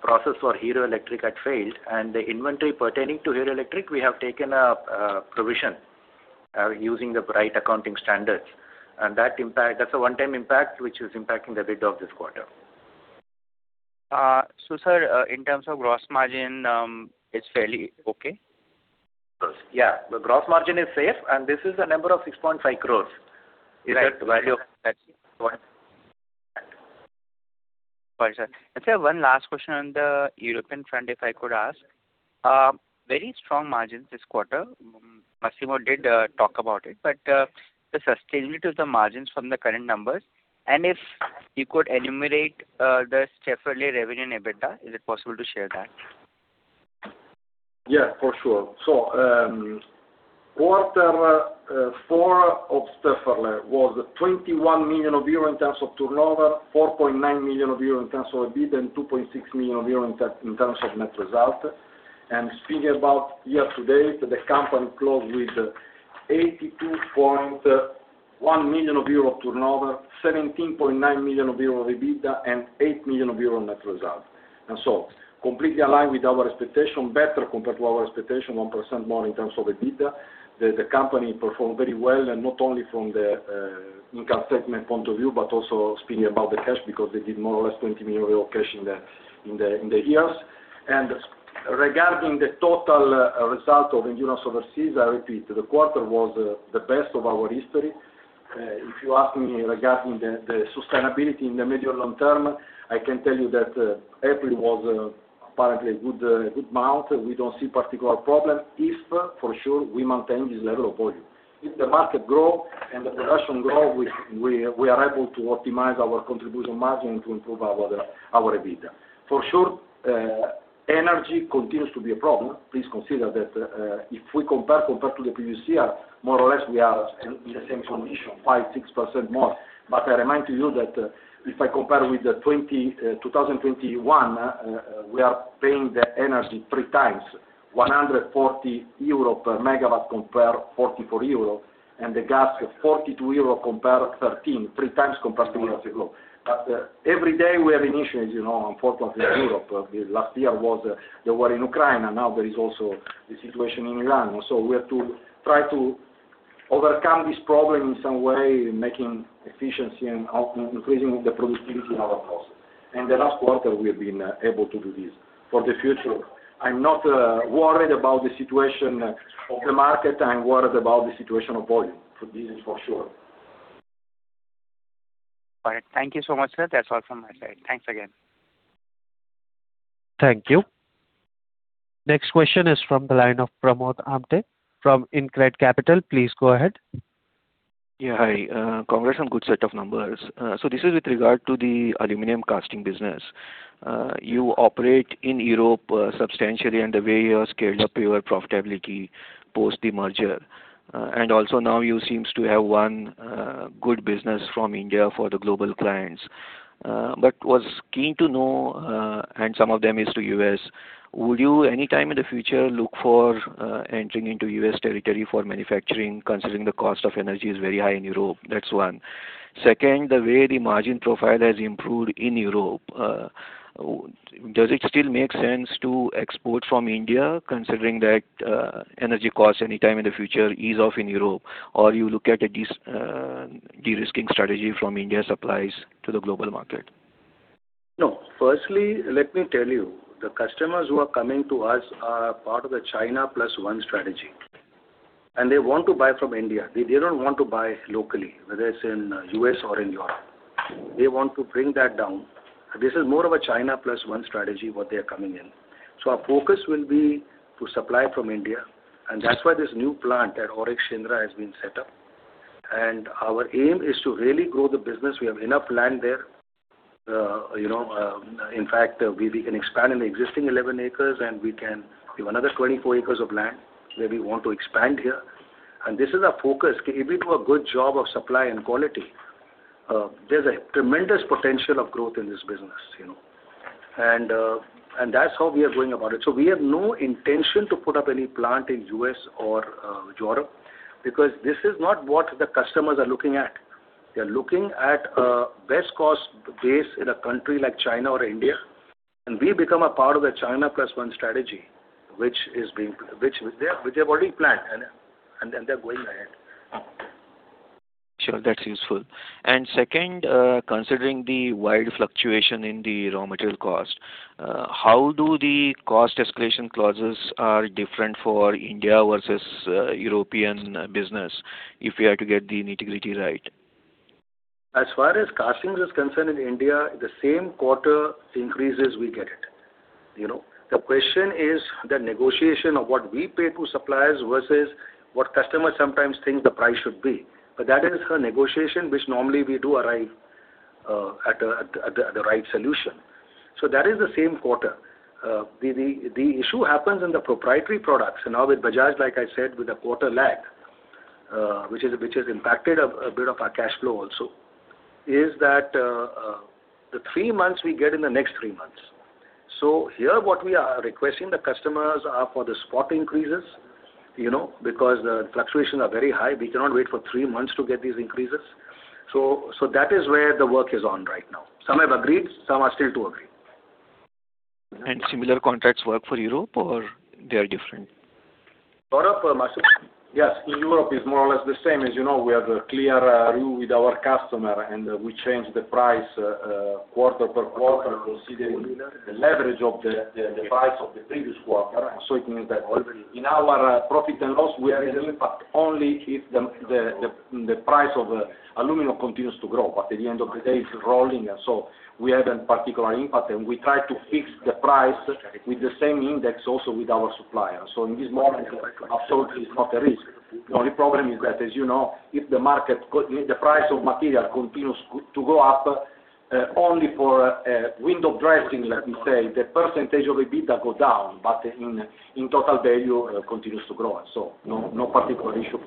process for Hero Electric had failed, and the inventory pertaining to Hero Electric, we have taken a provision using the right accounting standards. That's a one-time impact which is impacting the EBITDA of this quarter. Sir, in terms of gross margin, it's fairly okay? Yeah. The gross margin is safe, and this is a number of 6.5 crores. Is that value? Got it, sir. Sir, one last question on the European front, if I could ask. Very strong margins this quarter. Massimo did talk about it, the sustainability of the margins from the current numbers, if you could enumerate the Stöferle revenue and EBITDA, is it possible to share that? Yeah, for sure. Quarter 4 of Stöferle was 21 million euro in terms of turnover, 4.9 million euro in terms of EBITDA, and 2.6 million euro in terms of net result. Speaking about year to date, the company closed with 82.1 million euro turnover, 17.9 million euro of EBITDA, and 8 million euro net result. Completely aligned with our expectation, better compared to our expectation, 1% more in terms of EBITDA. The company performed very well, not only from the income statement point of view, but also speaking about the cash, because they did more or less 20 million euro cash in the years. Regarding the total result of Endurance Overseas, I repeat, the quarter was the best of our history. If you ask me regarding the sustainability in the medium long term, I can tell you that April was apparently a good month. We don't see particular problem if for sure we maintain this level of volume. If the market grow and the production grow, we are able to optimize our contribution margin to improve our EBITDA. For sure, energy continues to be a problem. Please consider that if we compare to the previous year, more or less we are in the same condition, 5%, 6% more. I remind to you that if I compare with the 2021, we are paying the energy three times, 140 euro per megawatt compared 44 euro, and the gas 42 euro compared 13, three times compared to years ago. Every day we are initiating, you know, unfortunately in Europe, the last year was the war in Ukraine, and now there is also the situation in Iran. We have to try to overcome this problem in some way, making efficiency and increasing the productivity in our process. In the last quarter, we have been able to do this. For the future, I'm not worried about the situation of the market. I'm worried about the situation of volume. This is for sure. All right. Thank you so much, sir. That's all from my side. Thanks again. Thank you. Next question is from the line of Pramod Amthe from InCred Capital. Please go ahead. Yeah. Hi. Congrats on good set of numbers. This is with regard to the aluminum casting business. You operate in Europe substantially, and the way you have scaled up your profitability post the merger. Now you seems to have won good business from India for the global clients. Was keen to know, and some of them is to U.S., would you anytime in the future look for entering into U.S. territory for manufacturing, considering the cost of energy is very high in Europe? That's one. Second, the way the margin profile has improved in Europe, does it still make sense to export from India considering that energy costs anytime in the future ease off in Europe? Or you look at a de-risking strategy from India supplies to the global market? Firstly, let me tell you, the customers who are coming to us are part of the China Plus One strategy, and they want to buy from India. They don't want to buy locally, whether it's in the U.S. or in Europe. They want to bring that down. This is more of a China Plus One strategy, what they are coming in. Our focus will be to supply from India, and that's why this new plant at AURIC Shendra has been set up. Our aim is to really grow the business. We have enough land there. You know, in fact, we can expand in the existing 11 acres. We have another 24 acres of land where we want to expand here. This is our focus. If we do a good job of supply and quality, there's a tremendous potential of growth in this business, you know. That's how we are going about it. We have no intention to put up any plant in the U.S. or Europe, because this is not what the customers are looking at. They are looking at a best cost base in a country like China or India, and we become a part of the China Plus One strategy, which they've already planned and they're going ahead. Sure. That's useful. Second, considering the wide fluctuation in the raw material cost, how do the cost escalation clauses are different for India versus European business, if we are to get the nitty-gritty right? As far as castings is concerned in India, the same quarter increases we get it, you know. The question is the negotiation of what we pay to suppliers versus what customers sometimes think the price should be. That is a negotiation which normally we do arrive at the right solution. That is the same quarter. The issue happens in the proprietary products. Now with Bajaj, like I said, with a quarter lag, which has impacted a bit of our cash flow also, is that the three months we get in the next three months. Here what we are requesting the customers are for the spot increases, you know, because the fluctuations are very high. We cannot wait for three months to get these increases. That is where the work is on right now. Some have agreed, some are still to agree. Similar contracts work for Europe or they are different? For Europe, yes, Europe is more or less the same. As you know, we have a clear view with our customer, and we change the price quarter per quarter considering the leverage of the price of the previous quarter. It means that in our profit and loss, we have an impact only if the price of aluminum continues to grow. At the end of the day, it's rolling, and so we have a particular impact, and we try to fix the price with the same index also with our supplier. In this moment, absolutely it's not a risk. The only problem is that, as you know, if the market the price of material continues to go up, only for window dressing, let me say, the percentage of EBITDA go down, but in total value continues to grow. No particular issue.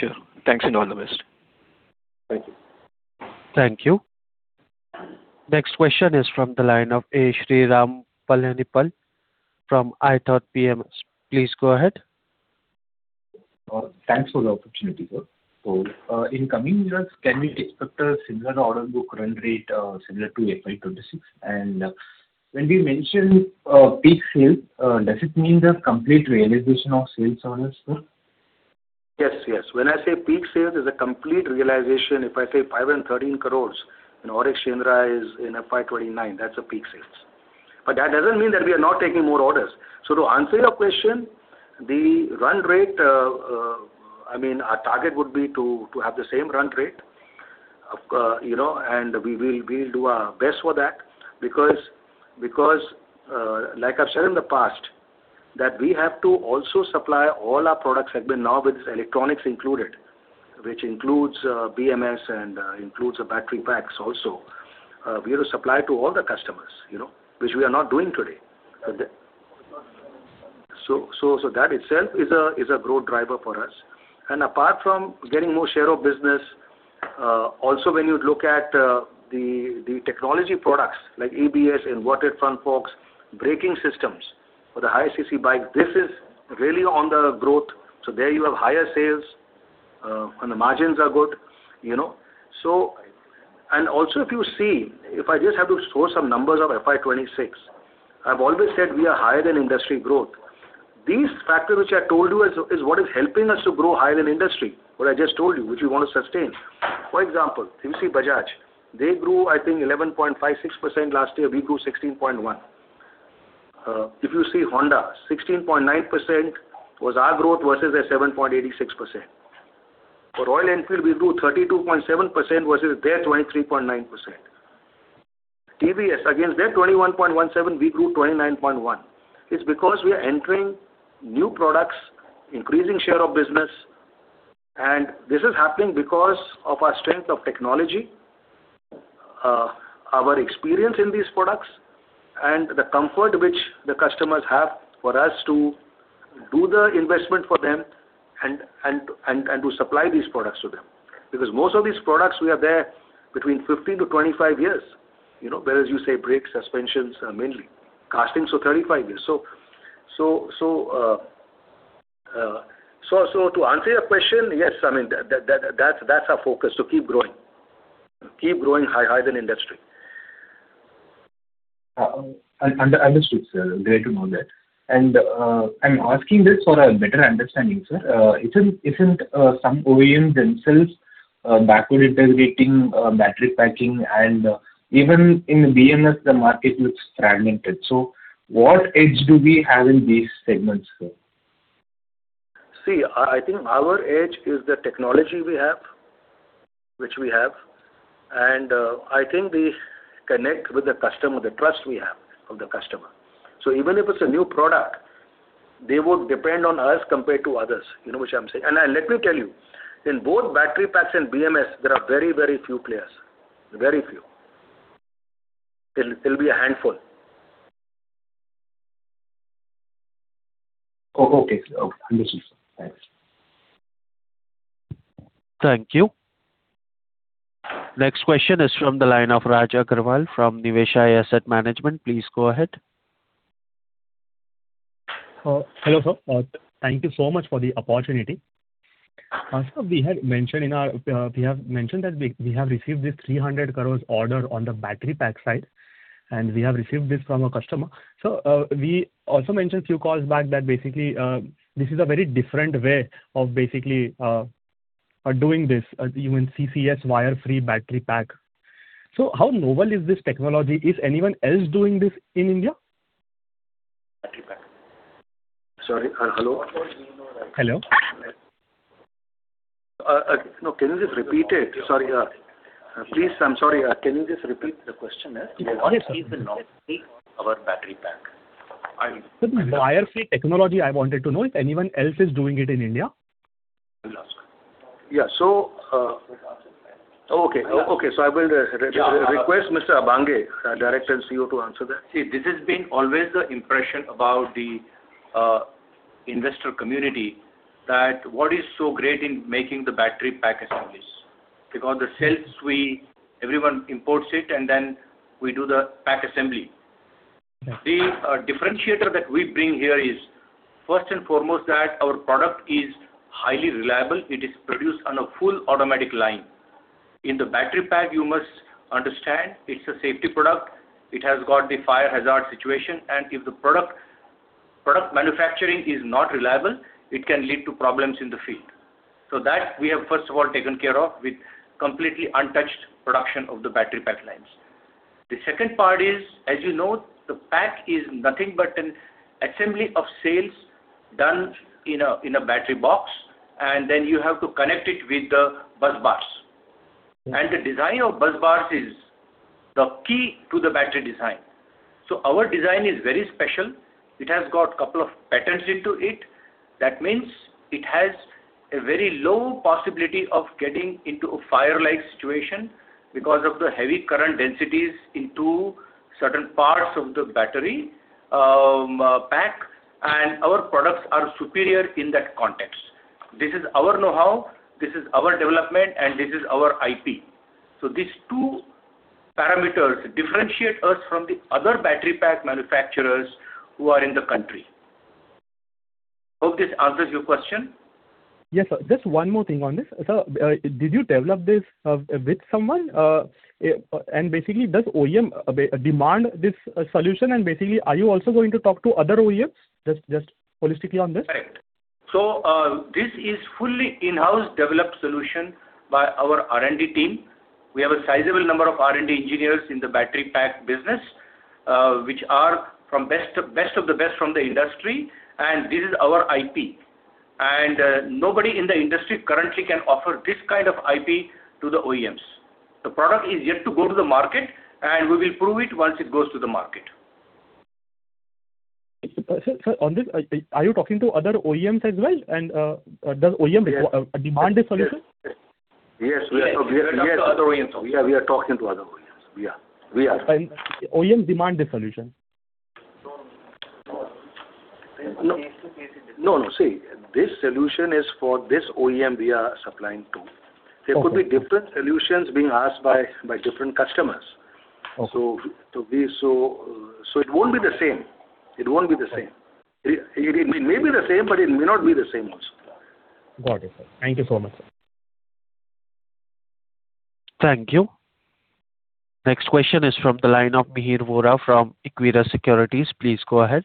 Sure. Thanks and all the best. Thank you. Thank you. Next question is from the line of A. Sriram Palaniappan from ithoughtPMS. Please go ahead. Thanks for the opportunity, sir. In coming years, can we expect a similar order book run rate similar to FY 2026? When we mention peak sales, does it mean the complete realization of sales orders, sir? Yes. When I say peak sales, there's a complete realization. If I say 513 crores in AURIC Shendra is in FY 2029, that's a peak sales. That doesn't mean that we are not taking more orders. To answer your question, the run rate, I mean, our target would be to have the same run rate. Of course, you know, we will do our best for that because, like I've said in the past, that we have to also supply all our products, I mean, now with electronics included, which includes BMS and includes the battery packs also. We will supply to all the customers, you know, which we are not doing today. So that itself is a growth driver for us. Apart from getting more share of business, also when you look at the technology products like ABS, inverted front forks, braking systems for the high CC bike, this is really on the growth. There you have higher sales, and the margins are good, you know. Also if you see, if I just have to show some numbers of FY 2026. I've always said we are higher than industry growth. These factors which I told you is what is helping us to grow higher than industry, what I just told you, which we want to sustain. For example, if you see Bajaj, they grew, I think, 11.56% last year. We grew 16.1%. If you see Honda, 16.9% was our growth versus their 7.86%. For Royal Enfield, we grew 32.7% versus their 23.9%. TVS, against their 21.17%, we grew 29.1%. It's because we are entering new products, increasing share of business, and this is happening because of our strength of technology, our experience in these products, and the comfort which the customers have for us to do the investment for them and to supply these products to them. Because most of these products we have there between 15-25 years, you know. Whereas you say brakes, suspensions are mainly. Castings are 35 years. To answer your question, yes, I mean, that, that's our focus to keep growing. Keep growing high, higher than industry. understood, sir. Great to know that. I'm asking this for a better understanding, sir, isn't some OEMs themselves backward integrating battery packing and even in the BMS, the market looks fragmented. What edge do we have in these segments, sir? I think our edge is the technology we have, which we have. I think we connect with the customer, the trust we have of the customer. Even if it's a new product, they would depend on us compared to others, you know what I'm saying? Let me tell you, in both battery packs and BMS, there are very, very few players. Very few. It'll be a handful. Oh, okay. Understood, sir. Thanks. Thank you. Next question is from the line of Raj Agarwal from Niveshaay Asset Management. Please go ahead. Hello, sir. Thank you so much for the opportunity. Sir, we had mentioned in our, we have mentioned that we have received this 300 crores order on the battery pack side, and we have received this from a customer. We also mentioned a few calls back that this is a very different way of doing this, even CCS wire-free battery pack. How novel is this technology? Is anyone else doing this in India? Sorry. Hello? Hello. No. Can you just repeat it? Sorry, please. I'm sorry. Can you just repeat the question? Sure. What is the novelty of our battery pack? The wire-free technology, I wanted to know if anyone else is doing it in India. Yeah. Okay. Okay. I will request Mr. Abhange, our Director and CEO, to answer that. This has been always the impression about the investor community that what is so great in making the battery pack assemblies. The cells everyone imports it and then we do the pack assembly. Okay. The differentiator that we bring here is, first and foremost, that our product is highly reliable. It is produced on a full automatic line. In the battery pack, you must understand it's a safety product. It has got the fire hazard situation. If the product manufacturing is not reliable, it can lead to problems in the field. That we have first of all taken care of with completely untouched production of the battery pack lines. The second part is, as you know, the pack is nothing but an assembly of cells done in a battery box, and then you have to connect it with the busbars. The design of busbars is the key to the battery design. Our design is very special. It has got couple of patterns into it. That means it has a very low possibility of getting into a fire-like situation because of the heavy current densities into certain parts of the battery pack. Our products are superior in that context. This is our know-how, this is our development. This is our IP. These two parameters differentiate us from the other battery pack manufacturers who are in the country. Hope this answers your question. Yes, sir. Just one more thing on this. Sir, did you develop this with someone? Basically, does OEM demand this solution? Basically, are you also going to talk to other OEMs just holistically on this? This is fully in-house developed solution by our R&D team. We have a sizable number of R&D engineers in the battery pack business, which are from best of the best from the industry, and this is our IP. Nobody in the industry currently can offer this kind of IP to the OEMs. The product is yet to go to the market, and we will prove it once it goes to the market. Sir, on this, are you talking to other OEMs as well? Does OEM demand a solution? Yes. Yes. Yes, we are talking. Yes, we are talking to other OEMs. Yeah. We are. OEM demand a solution? No. No, no. See, this solution is for this OEM we are supplying to. Okay. There could be different solutions being asked by different customers. Okay. It won't be the same. It won't be the same. It may be the same, but it may not be the same also. Got it, sir. Thank you so much. Thank you. Next question is from the line of Mihir Vora from Equirus Securities. Please go ahead.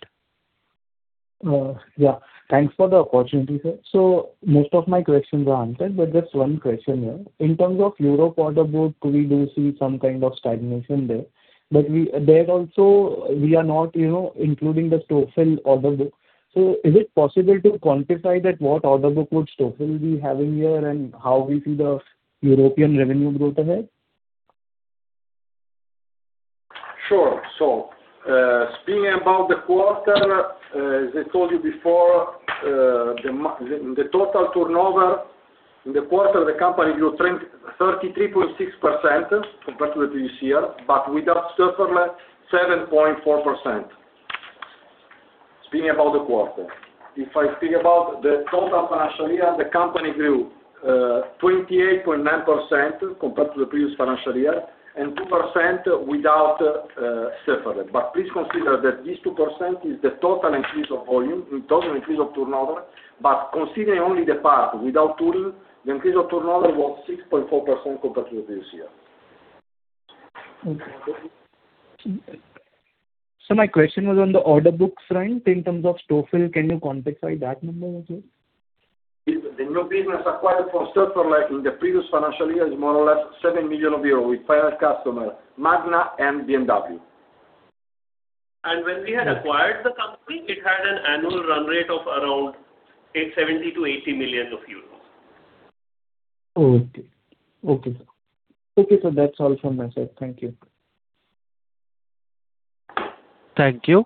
Yeah. Thanks for the opportunity, sir. Most of my questions are answered, but just one question here. In terms of Europe order book, we do see some kind of stagnation there. There also, we are not, you know, including the Stöferle order book. Is it possible to quantify that what order book would Stöferle be having here and how we see the European revenue growth ahead? Speaking about the quarter, as I told you before, the total turnover in the quarter, the company grew 33.6% compared to the previous year, but without Stöferle, 7.4%. Speaking about the quarter. If I speak about the total financial year, the company grew 28.9% compared to the previous financial year, and 2% without Stöferle. Please consider that this 2% is the total increase of volume, the total increase of turnover. Considering only the part without Stöferle, the increase of turnover was 6.4% compared to the previous year. Okay. My question was on the order books front. In terms of Stöferle, can you quantify that number as well? The new business acquired from Stöferle, like, in the previous financial year is more or less 7 million euros with five customer, Magna and BMW. When we had acquired the company, it had an annual run rate of around 870 to 80 million euros. Okay. Okay, sir. Okay, sir, that's all from my side. Thank you. Thank you.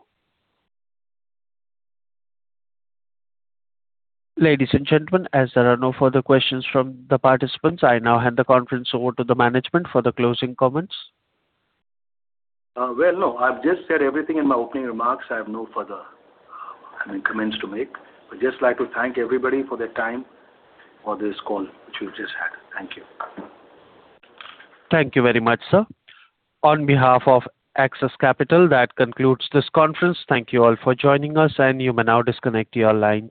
Ladies and gentlemen, as there are no further questions from the participants, I now hand the conference over to the management for the closing comments. Well, no, I've just said everything in my opening remarks. I have no further, I mean, comments to make. I'd just like to thank everybody for their time for this call, which we've just had. Thank you. Thank you very much, sir. On behalf of Axis Capital, that concludes this conference. Thank you all for joining us, and you may now disconnect your lines.